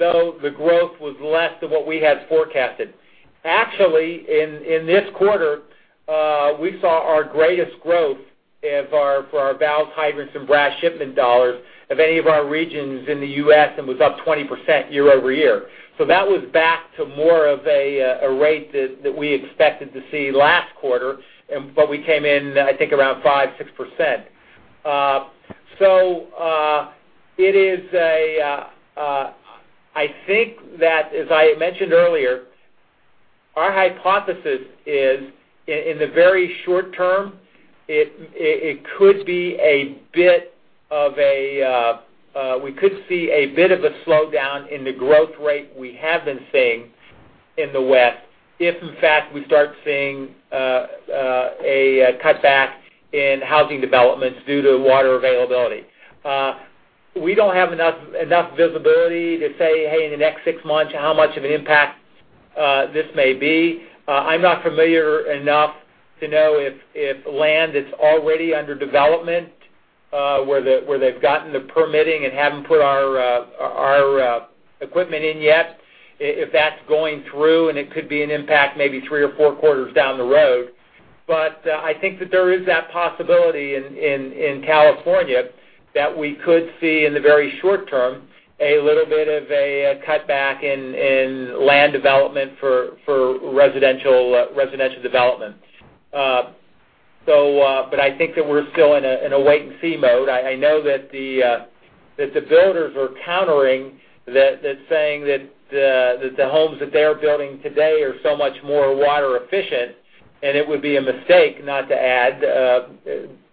though, the growth was less than what we had forecasted. Actually, in this quarter, we saw our greatest growth for our valves, hydrants, and brass shipment dollars of any of our regions in the U.S., and was up 20% year-over-year. That was back to more of a rate that we expected to see last quarter, but we came in, I think, around 5%, 6%. I think that, as I had mentioned earlier, our hypothesis is, in the very short term, we could see a bit of a slowdown in the growth rate we have been seeing in the west if, in fact, we start seeing a cutback in housing developments due to water availability. We don't have enough visibility to say, "Hey, in the next six months, how much of an impact this may be?" I'm not familiar enough to know if land is already under development, where they've gotten the permitting and haven't put our equipment in yet, if that's going through, and it could be an impact maybe three or four quarters down the road. I think that there is that possibility in California that we could see, in the very short term, a little bit of a cutback in land development for residential development. I think that we're still in a wait-and-see mode. I know that the builders are countering, saying that the homes that they're building today are so much more water efficient, and it would be a mistake not to add.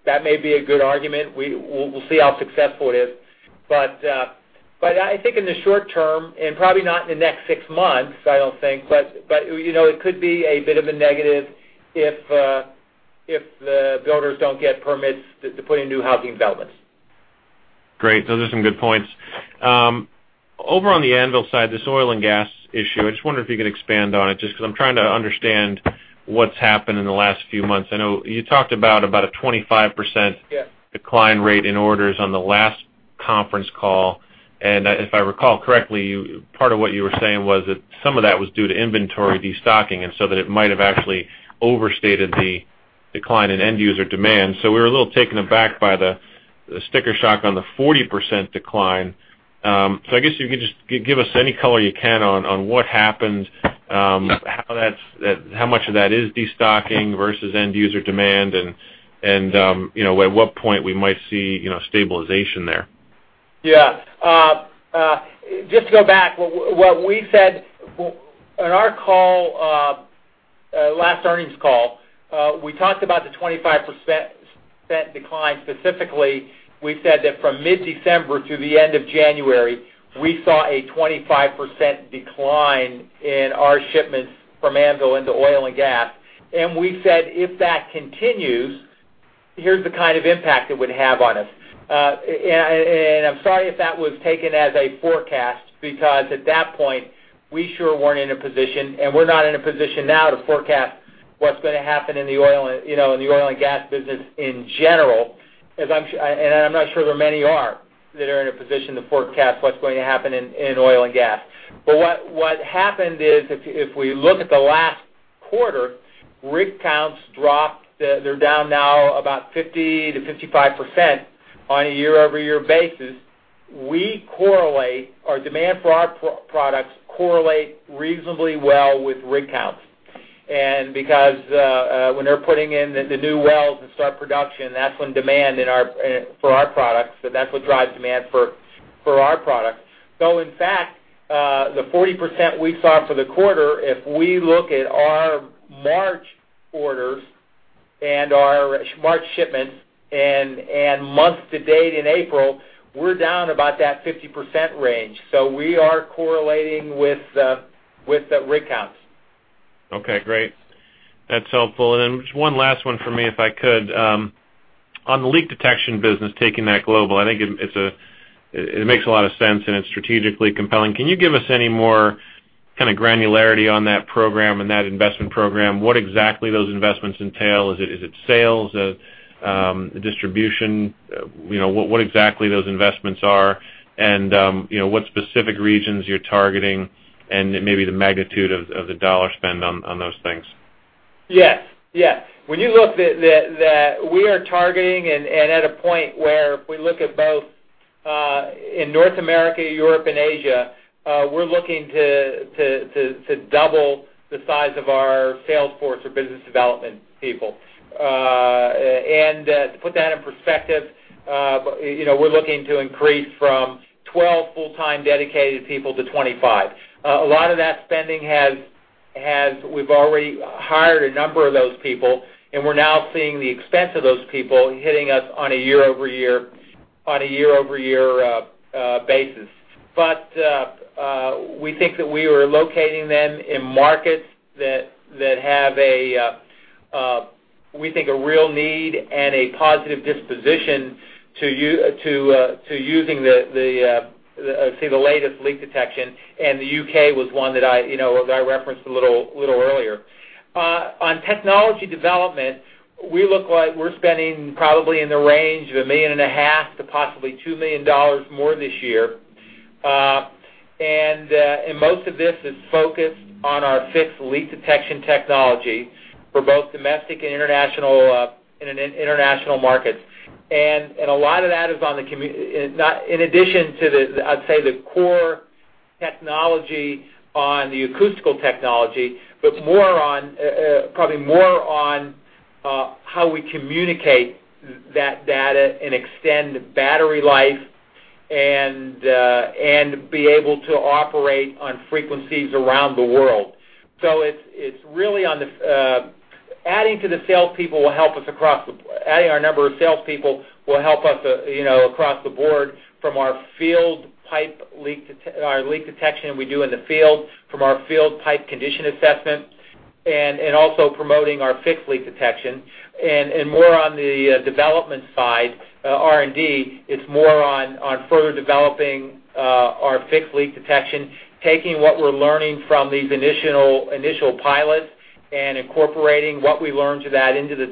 That may be a good argument. We'll see how successful it is. I think in the short term, and probably not in the next six months, I don't think, but it could be a bit of a negative if the builders don't get permits to put in new housing developments. Great. Those are some good points. Over on the Anvil side, this oil and gas issue, I just wonder if you could expand on it, just because I'm trying to understand what's happened in the last few months. I know you talked about a 25% decline rate in orders on the last conference call. If I recall correctly, part of what you were saying was that some of that was due to inventory destocking, and so that it might have actually overstated the decline in end user demand. We were a little taken aback by the sticker shock on the 40% decline. I guess you could just give us any color you can on what happened, how much of that is destocking versus end user demand, and at what point we might see stabilization there. Yeah. Just to go back, what we said in our last earnings call, we talked about the 25% decline. Specifically, we said that from mid-December to the end of January, we saw a 25% decline in our shipments from Anvil into oil and gas. We said, "If that continues, here's the kind of impact it would have on us." I'm sorry if that was taken as a forecast, because at that point, we sure weren't in a position, and we're not in a position now to forecast what's going to happen in the oil and gas business in general. I'm not sure there are many that are in a position to forecast what's going to happen in oil and gas. What happened is, if we look at the last quarter, rig counts dropped. They're down now about 50%-55% on a year-over-year basis. Our demand for our products correlate reasonably well with rig counts. Because when they're putting in the new wells and start production, that's when demand for our products, so that's what drives demand for our products. In fact, the 40% we saw for the quarter, if we look at our March orders and our March shipments and month-to-date in April, we're down about that 50% range. We are correlating with the rig counts. Okay, great. That's helpful. Then just one last one for me, if I could. On the leak detection business, taking that global, I think it makes a lot of sense and it's strategically compelling. Can you give us any more granularity on that program and that investment program? What exactly those investments entail? Is it sales? Is it distribution? What exactly those investments are and what specific regions you're targeting and maybe the magnitude of the dollar spend on those things. Yes. When you look at that, we are targeting at a point where if we look at both in North America, Europe, and Asia, we're looking to double the size of our sales force or business development people. To put that in perspective, we're looking to increase from 12 full-time dedicated people to 25. A lot of that spending we've already hired a number of those people, and we're now seeing the expense of those people hitting us on a year-over-year basis. We think that we are locating them in markets that have a, we think, a real need and a positive disposition to using the latest leak detection, and the U.K. was one that I referenced a little earlier. On technology development, we look like we're spending probably in the range of a million and a half to possibly $2 million more this year. Most of this is focused on our fixed leak detection technology for both domestic and international markets. A lot of that is in addition to the, I'd say, the core technology on the acoustical technology, but probably more on how we communicate that data and extend the battery life and be able to operate on frequencies around the world. Adding our number of salespeople will help us across the board from our leak detection we do in the field, from our field pipe condition assessment, and also promoting our fixed leak detection. More on the development side, R&D, it's more on further developing our fixed leak detection, taking what we're learning from these initial pilots and incorporating what we learned to that into the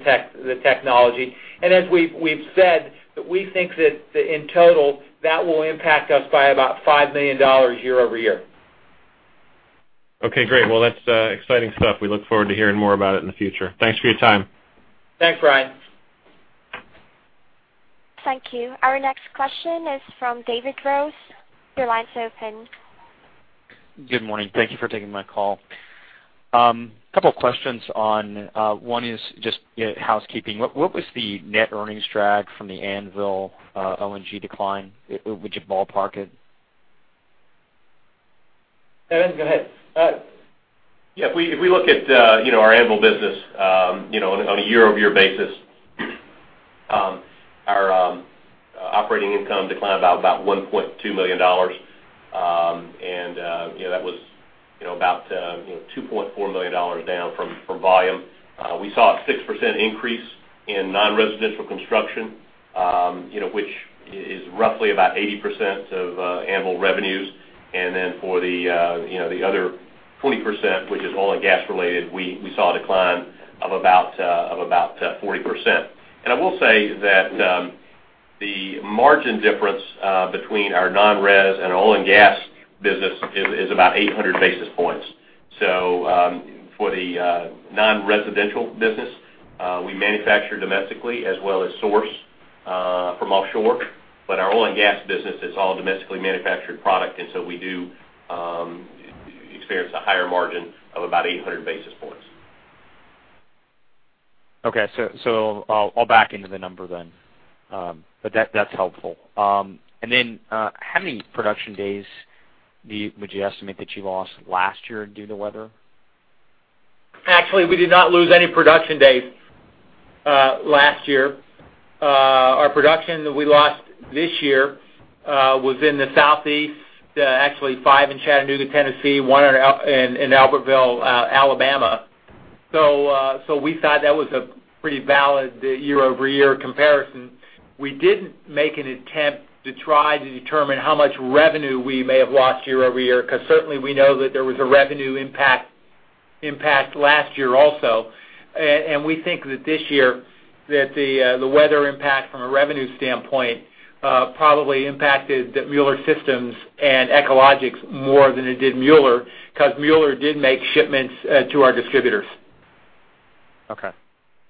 technology. As we've said, that we think that in total, that will impact us by about $5 million year-over-year. Okay, great. Well, that's exciting stuff. We look forward to hearing more about it in the future. Thanks for your time. Thanks, Ryan. Thank you. Our next question is from David Rose. Your line's open. Good morning. Thank you for taking my call. Couple questions on, one is just housekeeping. What was the net earnings drag from the Anvil LNG decline? Would you ballpark it? Evan, go ahead. Yeah. If we look at our Anvil business on a year-over-year basis, our operating income declined about $1.2 million. That was about $2.4 million down from volume. We saw a 6% increase in non-residential construction, which is roughly about 80% of Anvil revenues. For the other 40%, which is oil and gas-related, we saw a decline of about 40%. I will say that the margin difference between our non-res and oil and gas business is about 800 basis points. For the non-residential business, we manufacture domestically as well as source from offshore. Our oil and gas business is all domestically manufactured product, and so we do experience a higher margin of about 800 basis points. Okay. I'll back into the number then. That's helpful. How many production days would you estimate that you lost last year due to weather? Actually, we did not lose any production days last year. Our production that we lost this year was in the Southeast, actually five in Chattanooga, Tennessee, one in Albertville, Alabama. We thought that was a pretty valid year-over-year comparison. We didn't make an attempt to try to determine how much revenue we may have lost year-over-year, because certainly we know that there was a revenue impact last year also. We think that this year, the weather impact from a revenue standpoint probably impacted Mueller Systems and Echologics more than it did Mueller, because Mueller did make shipments to our distributors. Okay.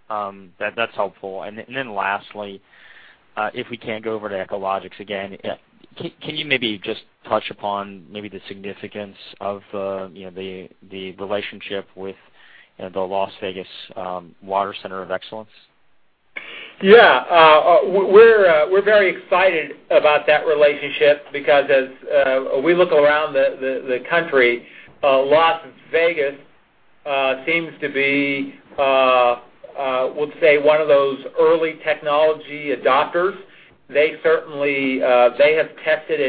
That's helpful. Lastly, if we can go over to Echologics again, can you maybe just touch upon maybe the significance of the relationship with the Las Vegas Water Center of Excellence? Yeah. We're very excited about that relationship because as we look around the country, Las Vegas seems to be, we'll say, one of those early technology adopters. They have tested,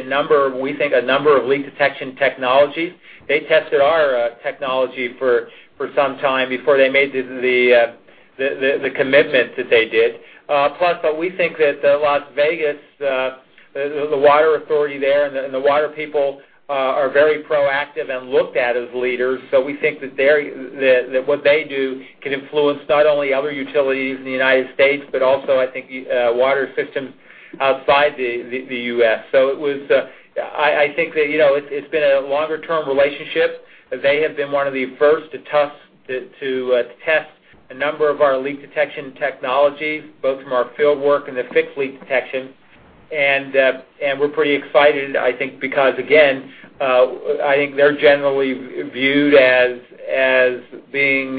we think, a number of leak detection technologies. They tested our technology for some time before they made the commitment that they did. Plus, we think that Las Vegas, the water authority there and the water people are very proactive and looked at as leaders. We think that what they do can influence not only other utilities in the U.S., but also I think water systems outside the U.S. I think that it's been a longer-term relationship. They have been one of the first to test a number of our leak detection technologies, both from our fieldwork and the fixed leak detection, and we're pretty excited, I think, because again, I think they're generally viewed as being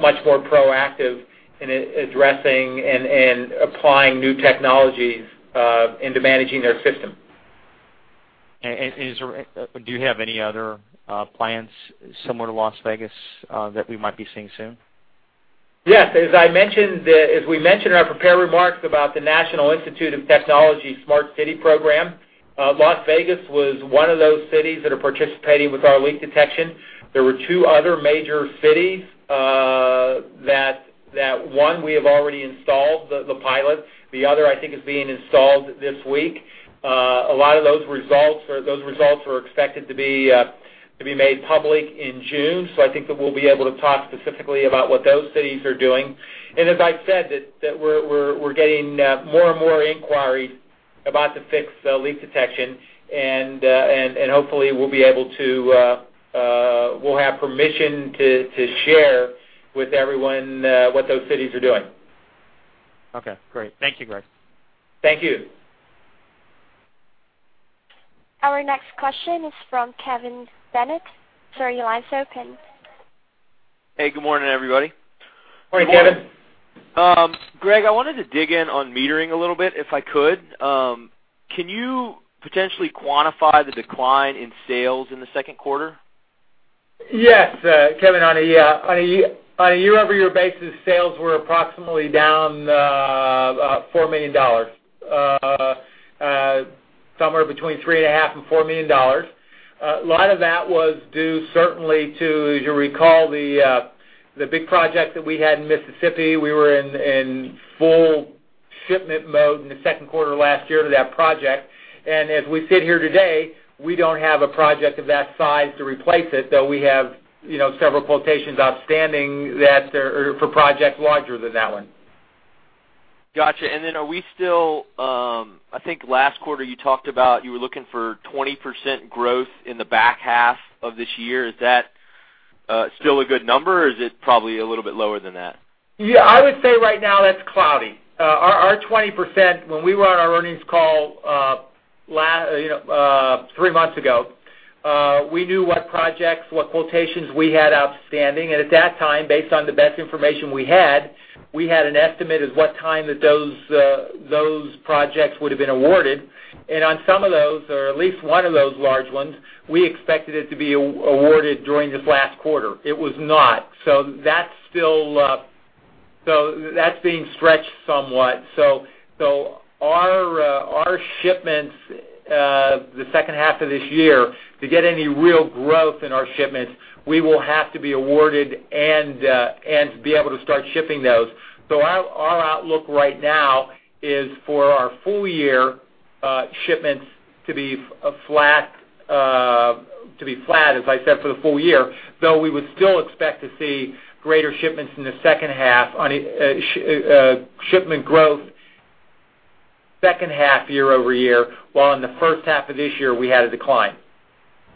much more proactive in addressing and applying new technologies into managing their system. Do you have any other plans similar to Las Vegas that we might be seeing soon? Yes. As we mentioned in our prepared remarks about the National Institute of Standards and Technology Smart City program, Las Vegas was one of those cities that are participating with our leak detection. There were two other major cities that one we have already installed the pilot, the other I think is being installed this week. A lot of those results are expected to be made public in June. I think that we'll be able to talk specifically about what those cities are doing. As I've said, that we're getting more and more inquiries about the fixed leak detection, and hopefully we'll have permission to share with everyone what those cities are doing. Okay, great. Thank you, Greg. Thank you. Our next question is from Kevin Bennett. Sir, your line is open. Hey, good morning, everybody. Morning, Kevin. Greg, I wanted to dig in on metering a little bit, if I could. Can you potentially quantify the decline in sales in the second quarter? Yes. Kevin, on a year-over-year basis, sales were approximately down $4 million. Somewhere between three and a half and $4 million. A lot of that was due certainly to, as you recall, the big project that we had in Mississippi. We were in full shipment mode in the second quarter of last year to that project. As we sit here today, we don't have a project of that size to replace it, though we have several quotations outstanding that are for projects larger than that one. Got you. I think last quarter you talked about you were looking for 20% growth in the back half of this year. Is that still a good number, or is it probably a little bit lower than that? Yeah. I would say right now that's cloudy. Our 20%, when we were on our earnings call three months ago, we knew what projects, what quotations we had outstanding. At that time, based on the best information we had, we had an estimate of what time that those projects would have been awarded, and on some of those, or at least one of those large ones, we expected it to be awarded during this last quarter. It was not. That's being stretched somewhat. Our shipments the second half of this year, to get any real growth in our shipments, we will have to be awarded and to be able to start shipping those. Our outlook right now is for our full year shipments to be flat, as I said, for the full year, though we would still expect to see greater shipments in the second half, shipment growth second half year-over-year, while in the first half of this year, we had a decline.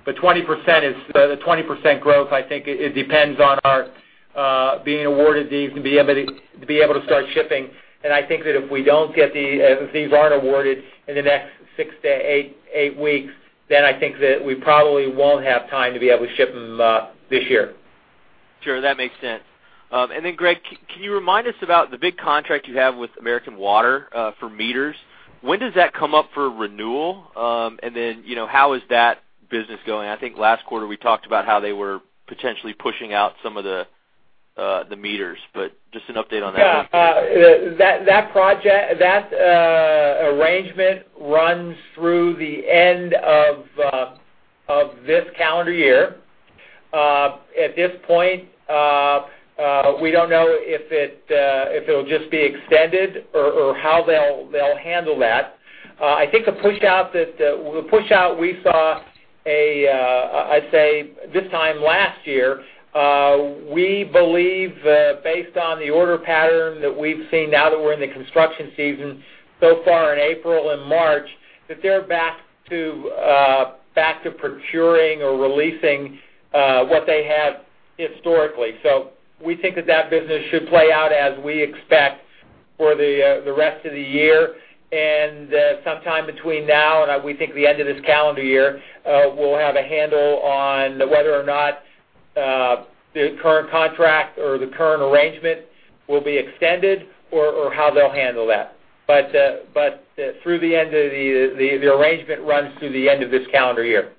The 20% growth, I think it depends on our being awarded these and to be able to start shipping. I think that if these aren't awarded in the next six to eight weeks, I think that we probably won't have time to be able to ship them this year. Sure, that makes sense. Greg, can you remind us about the big contract you have with American Water for meters? When does that come up for renewal? How is that business going? I think last quarter we talked about how they were potentially pushing out some of the meters, just an update on that. Yeah. That arrangement runs through the end of this calendar year. At this point, we don't know if it'll just be extended or how they'll handle that. I think the push out we saw, I'd say this time last year, we believe, based on the order pattern that we've seen now that we're in the construction season so far in April and March, that they're back to procuring or releasing what they have historically. We think that that business should play out as we expect for the rest of the year. Sometime between now and we think the end of this calendar year, we'll have a handle on whether or not the current contract or the current arrangement will be extended or how they'll handle that. The arrangement runs through the end of this calendar year.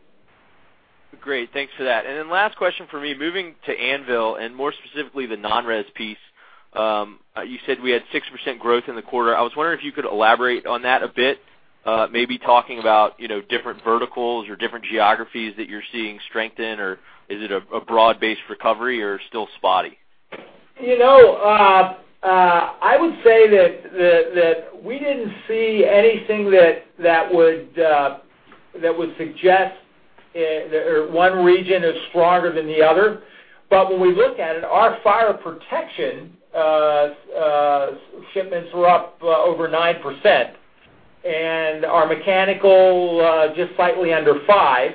Great. Thanks for that. Last question for me, moving to Anvil, and more specifically, the non-res piece. You said we had 6% growth in the quarter. I was wondering if you could elaborate on that a bit, maybe talking about different verticals or different geographies that you're seeing strength in, or is it a broad-based recovery or still spotty? I would say that we didn't see anything that would suggest one region is stronger than the other. When we look at it, our fire protection shipments were up over 9%, and our mechanical, just slightly under 5%.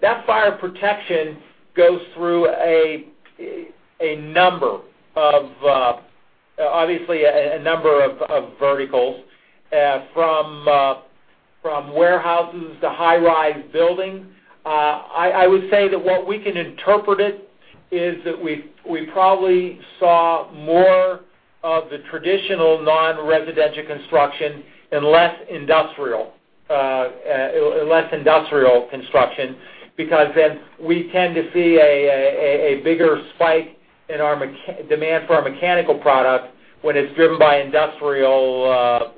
That fire protection goes through, obviously, a number of verticals, from warehouses to high-rise buildings. I would say that what we can interpret it is that we probably saw more of the traditional non-residential construction and less industrial construction, because then we tend to see a bigger spike in demand for our mechanical product when it's driven by industrial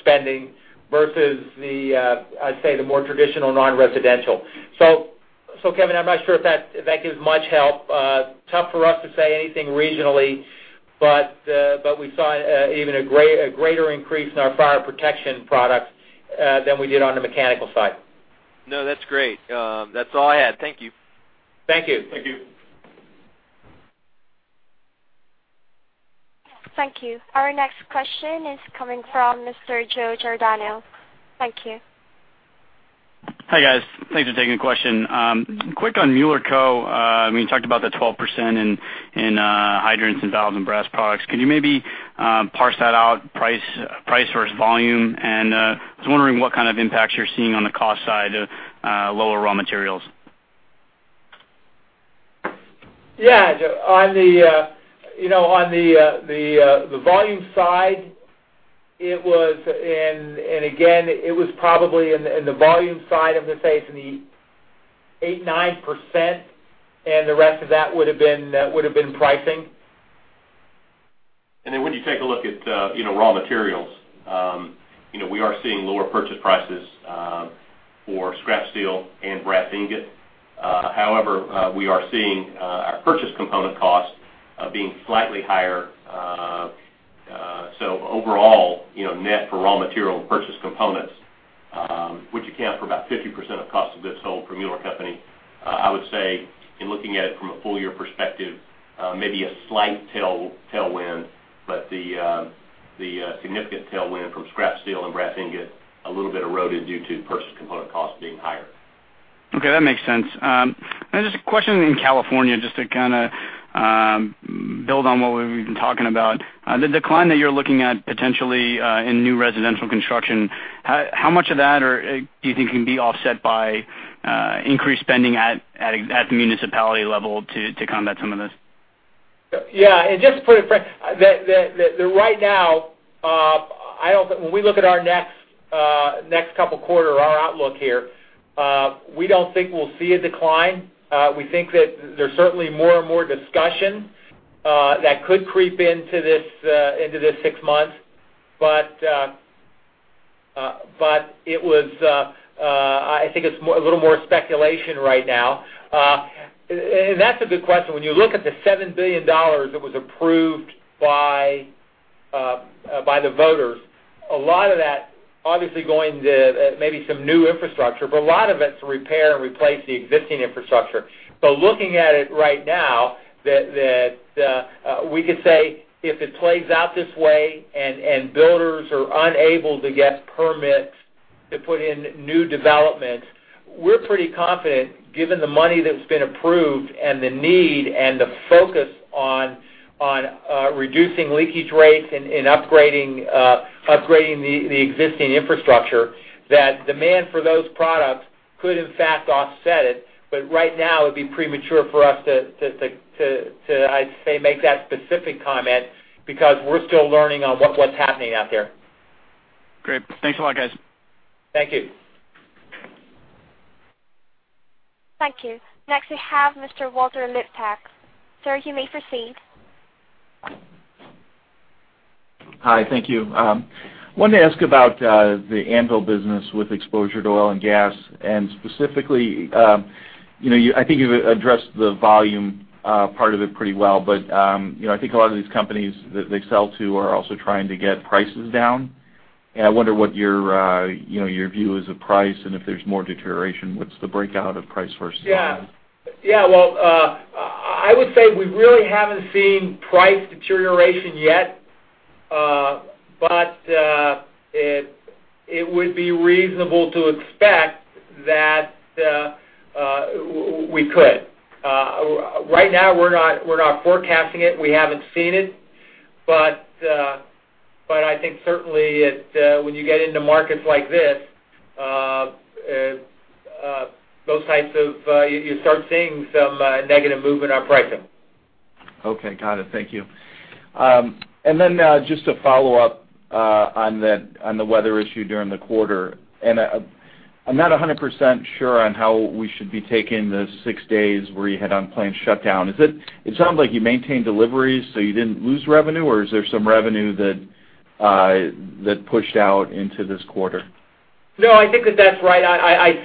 spending versus the, I'd say, the more traditional non-residential. Kevin, I'm not sure if that gives much help. Tough for us to say anything regionally, but we saw even a greater increase in our fire protection products than we did on the mechanical side. No, that's great. That's all I had. Thank you. Thank you. Thank you. Thank you. Our next question is coming from Mr. Joseph Giordano. Thank you. Hi, guys. Thanks for taking the question. Quick on Mueller Co. You talked about the 12% in hydrants and valves and brass products. Could you maybe parse that out, price versus volume? I was wondering what kind of impacts you're seeing on the cost side of lower raw materials. Yeah. Joe, on the volume side, again, it was probably in the volume side, I'm going to say it's in the 8%-9%, and the rest of that would've been pricing. When you take a look at raw materials, we are seeing lower purchase prices for scrap steel and brass ingot. However, we are seeing our purchase component costs being slightly higher. Overall, net for raw material and purchase components, which account for about 50% of cost of goods sold for Mueller Co., I would say in looking at it from a full year perspective, maybe a slight tailwind, but the significant tailwind from scrap steel and brass ingot, a little bit eroded due to purchase component costs being higher. Okay, that makes sense. Just a question in California, just to build on what we've been talking about. The decline that you're looking at potentially in new residential construction, how much of that do you think can be offset by increased spending at the municipality level to combat some of this? Yeah. Just to put it in frame, right now, when we look at our next couple quarter, our outlook here, we don't think we'll see a decline. We think that there's certainly more and more discussion that could creep into this six months. I think it's a little more speculation right now. That's a good question. When you look at the $7 billion that was approved by the voters, a lot of that obviously going to maybe some new infrastructure, but a lot of it to repair and replace the existing infrastructure. Looking at it right now, we could say, if it plays out this way and builders are unable to get permits to put in new developments, we're pretty confident given the money that's been approved and the need and the focus on reducing leakage rates and upgrading the existing infrastructure, that demand for those products could in fact offset it. Right now, it'd be premature for us to, I'd say, make that specific comment because we're still learning on what's happening out there. Great. Thanks a lot, guys. Thank you. Thank you. Next, we have Mr. Walter Liptak. Sir, you may proceed. Hi, thank you. Wanted to ask about the Anvil business with exposure to oil and gas. Specifically, I think you've addressed the volume part of it pretty well. I think a lot of these companies that they sell to are also trying to get prices down, and I wonder what your view is of price, and if there's more deterioration, what's the breakout of price versus volume? I would say we really haven't seen price deterioration yet. It would be reasonable to expect that we could. Right now, we're not forecasting it. We haven't seen it. I think certainly when you get into markets like this, you start seeing some negative movement on pricing. Okay, got it. Thank you. Just to follow up on the weather issue during the quarter. I'm not 100% sure on how we should be taking the six days where you had unplanned shutdown. It sounds like you maintained deliveries, so you didn't lose revenue, or is there some revenue that pushed out into this quarter? I think that that's right. I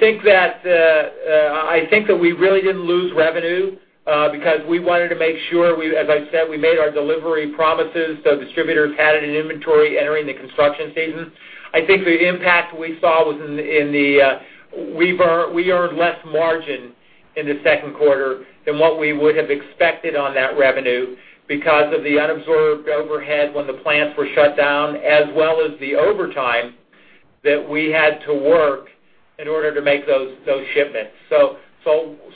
think that we really didn't lose revenue, because we wanted to make sure, as I said, we made our delivery promises so distributors had it in inventory entering the construction season. I think the impact we saw was we earned less margin in the second quarter than what we would have expected on that revenue because of the unabsorbed overhead when the plants were shut down, as well as the overtime that we had to work in order to make those shipments.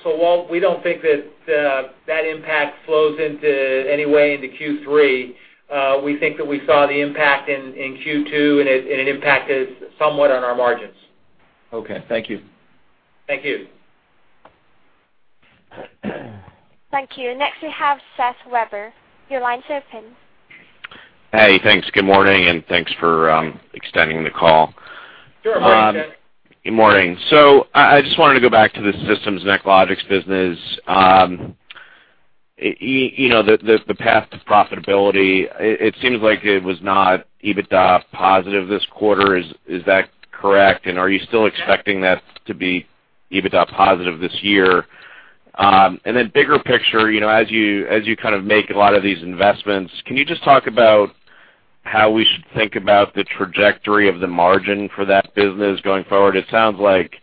Walt, we don't think that that impact flows into any way into Q3. We think that we saw the impact in Q2, and it impacted somewhat on our margins. Okay, thank you. Thank you. Thank you. Next, we have Seth Weber. Your line's open. Hey, thanks. Good morning, and thanks for extending the call. Sure. Morning, Seth. Good morning. I just wanted to go back to the Systems and Echologics business. The path to profitability, it seems like it was not EBITDA positive this quarter. Is that correct? Are you still expecting that to be EBITDA positive this year? Bigger picture, as you make a lot of these investments, can you just talk about how we should think about the trajectory of the margin for that business going forward? It sounds like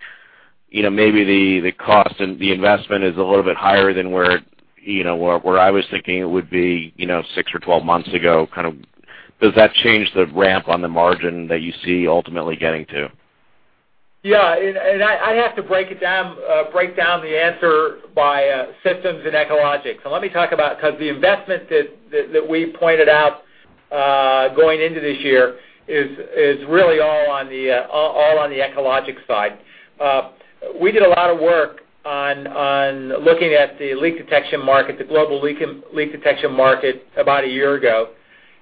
maybe the cost and the investment is a little bit higher than where I was thinking it would be six or 12 months ago. Does that change the ramp on the margin that you see ultimately getting to? Yeah. I'd have to break down the answer by Systems and Echologics. Let me talk about, because the investment that we pointed out going into this year is really all on the Echologics side. We did a lot of work on looking at the leak detection market, the global leak detection market about a year ago.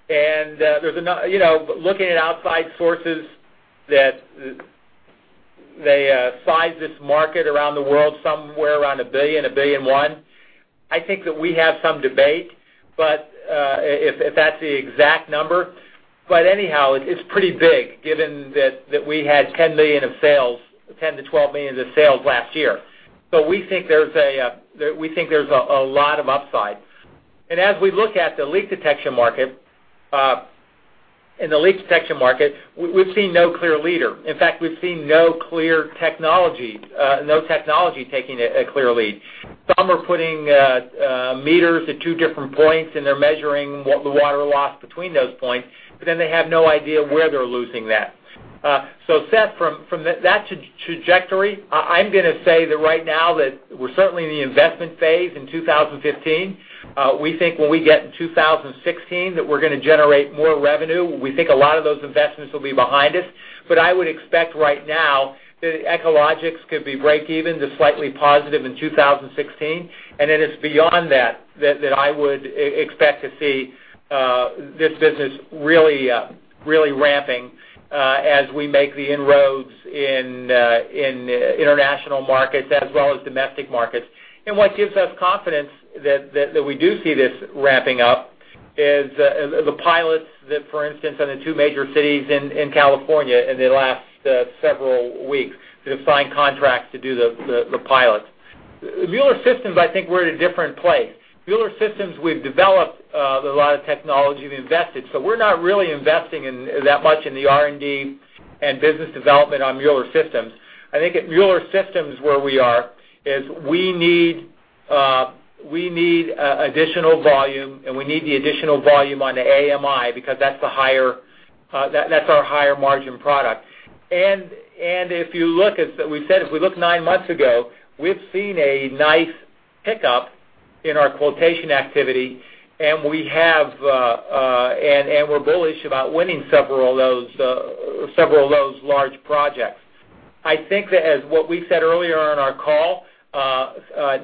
Looking at outside sources that they size this market around the world somewhere around $1 billion, a billion and one. I think that we have some debate, but if that's the exact number, but anyhow, it's pretty big given that we had $10 million of sales, $10 million-$12 million of sales last year. We think there's a lot of upside. As we look at the leak detection market, in the leak detection market, we've seen no clear leader. In fact, we've seen no clear technology, no technology taking a clear lead. Some are putting meters at two different points, and they're measuring what the water loss between those points, but then they have no idea where they're losing that. Seth, from that trajectory, I'm gonna say that right now that we're certainly in the investment phase in 2015. We think when we get in 2016 that we're gonna generate more revenue. We think a lot of those investments will be behind us. I would expect right now that Echologics could be breakeven to slightly positive in 2016, and it is beyond that I would expect to see this business really ramping As we make the inroads in international markets as well as domestic markets. What gives us confidence that we do see this ramping up is the pilots that, for instance, in the two major cities in California in the last several weeks, that have signed contracts to do the pilots. Mueller Systems, I think we're in a different place. Mueller Systems, we've developed a lot of technology, we've invested, so we're not really investing that much in the R&D and business development on Mueller Systems. I think at Mueller Systems, where we are, is we need additional volume, and we need the additional volume on the AMI, because that's our higher-margin product. If you look, as we said, if we look 9 months ago, we've seen a nice pickup in our quotation activity, and we're bullish about winning several of those large projects. I think that as what we said earlier on our call,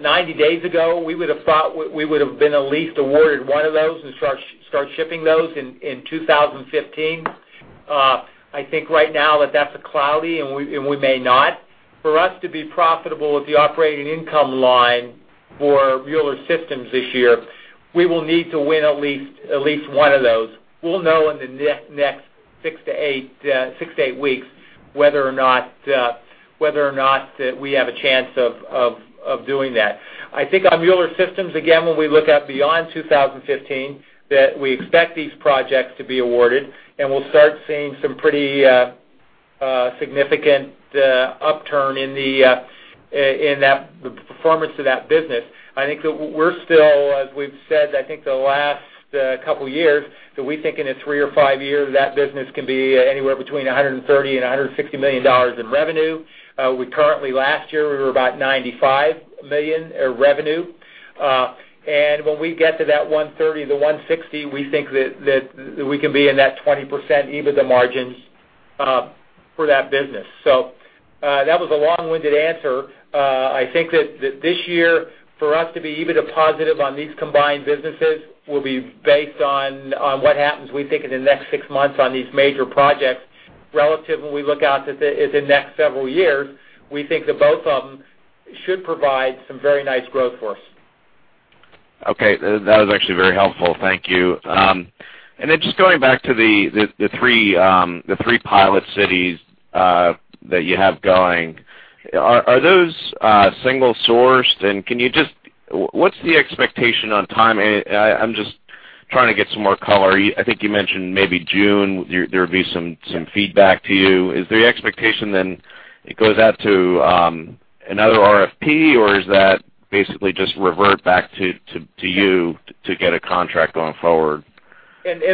90 days ago, we would've thought we would've been at least awarded one of those and start shipping those in 2015. I think right now that's cloudy, and we may not. For us to be profitable at the operating income line for Mueller Systems this year, we will need to win at least one of those. We'll know in the next 6 to 8 weeks whether or not we have a chance of doing that. I think on Mueller Systems, again, when we look out beyond 2015, that we expect these projects to be awarded, and we'll start seeing some pretty significant upturn in the performance of that business. I think that we're still, as we've said, I think the last couple years, that we think in 3 or 5 years, that business can be anywhere between $130 million and $160 million in revenue. We currently, last year, we were about $95 million revenue. When we get to that $130 million to $160 million, we think that we can be in that 20% EBITDA margins for that business. That was a long-winded answer. I think that this year, for us to be EBITDA positive on these combined businesses will be based on what happens, we think, in the next 6 months on these major projects. Relative when we look out in the next several years, we think that both of them should provide some very nice growth for us. That was actually very helpful. Thank you. Then just going back to the 3 pilot cities that you have going, are those single-sourced? What's the expectation on timing? I think you mentioned maybe June, there would be some feedback to you. Is the expectation then it goes out to another RFP, or is that basically just revert back to you to get a contract going forward?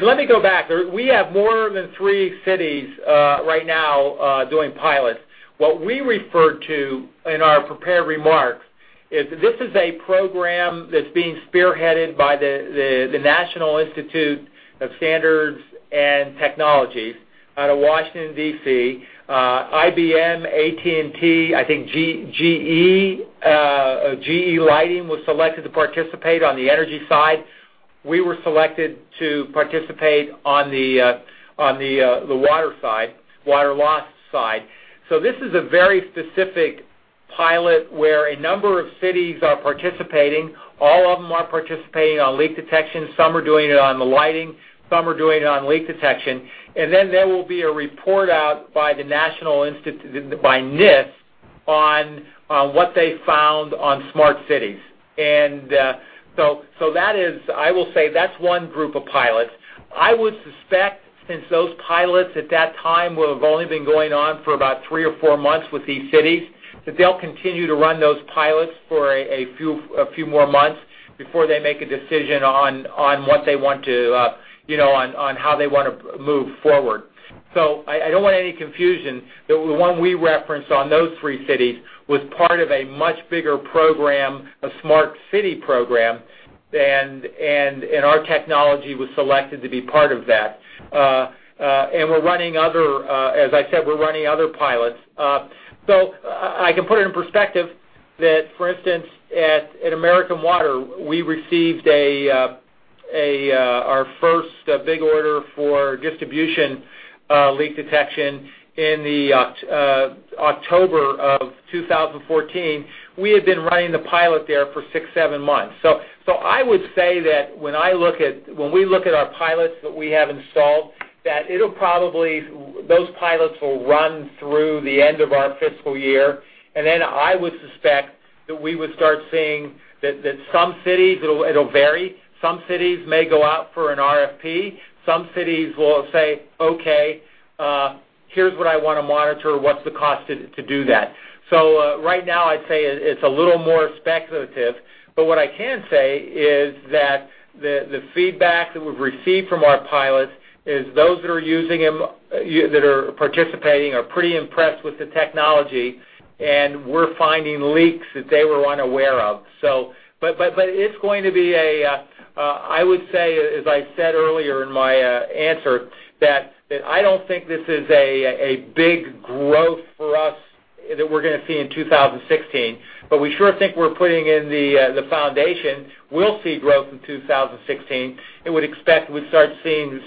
Let me go back. We have more than three cities right now doing pilots. What we referred to in our prepared remarks is this is a program that's being spearheaded by the National Institute of Standards and Technology out of Washington, D.C. IBM, AT&T, I think GE Lighting was selected to participate on the energy side. We were selected to participate on the water side, water loss side. This is a very specific pilot where a number of cities are participating. All of them are participating on leak detection. Some are doing it on the lighting, some are doing it on leak detection. Then there will be a report out by NIST on what they found on smart cities. I will say, that's one group of pilots. I would suspect since those pilots at that time will have only been going on for about three or four months with these cities, that they'll continue to run those pilots for a few more months before they make a decision on how they want to move forward. I don't want any confusion that the one we referenced on those three cities was part of a much bigger program, a smart city program, and our technology was selected to be part of that. As I said, we're running other pilots. I can put it in perspective that, for instance, at American Water, we received our first big order for distribution leak detection in October of 2014. We had been running the pilot there for six, seven months. I would say that when we look at our pilots that we have installed, that those pilots will run through the end of our fiscal year. Then I would suspect that we would start seeing that some cities, it'll vary, some cities may go out for an RFP. Some cities will say, "Okay, here's what I want to monitor. What's the cost to do that?" Right now, I'd say it's a little more speculative, but what I can say is that the feedback that we've received from our pilots is those that are participating are pretty impressed with the technology, and we're finding leaks that they were unaware of. It's going to be a, I would say, as I said earlier in my answer, that I don't think this is a big growth for us that we're going to see in 2016, but we sure think we're putting in the foundation. We'll see growth in 2016 and would expect we'd start seeing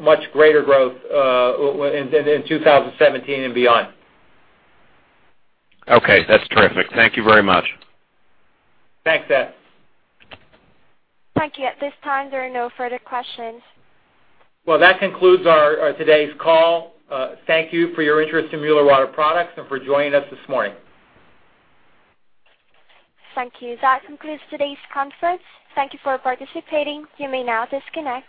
much greater growth in 2017 and beyond. Okay, that's terrific. Thank you very much. Thanks, Seth. Thank you. At this time, there are no further questions. Well, that concludes today's call. Thank you for your interest in Mueller Water Products and for joining us this morning. Thank you. That concludes today's conference. Thank you for participating. You may now disconnect.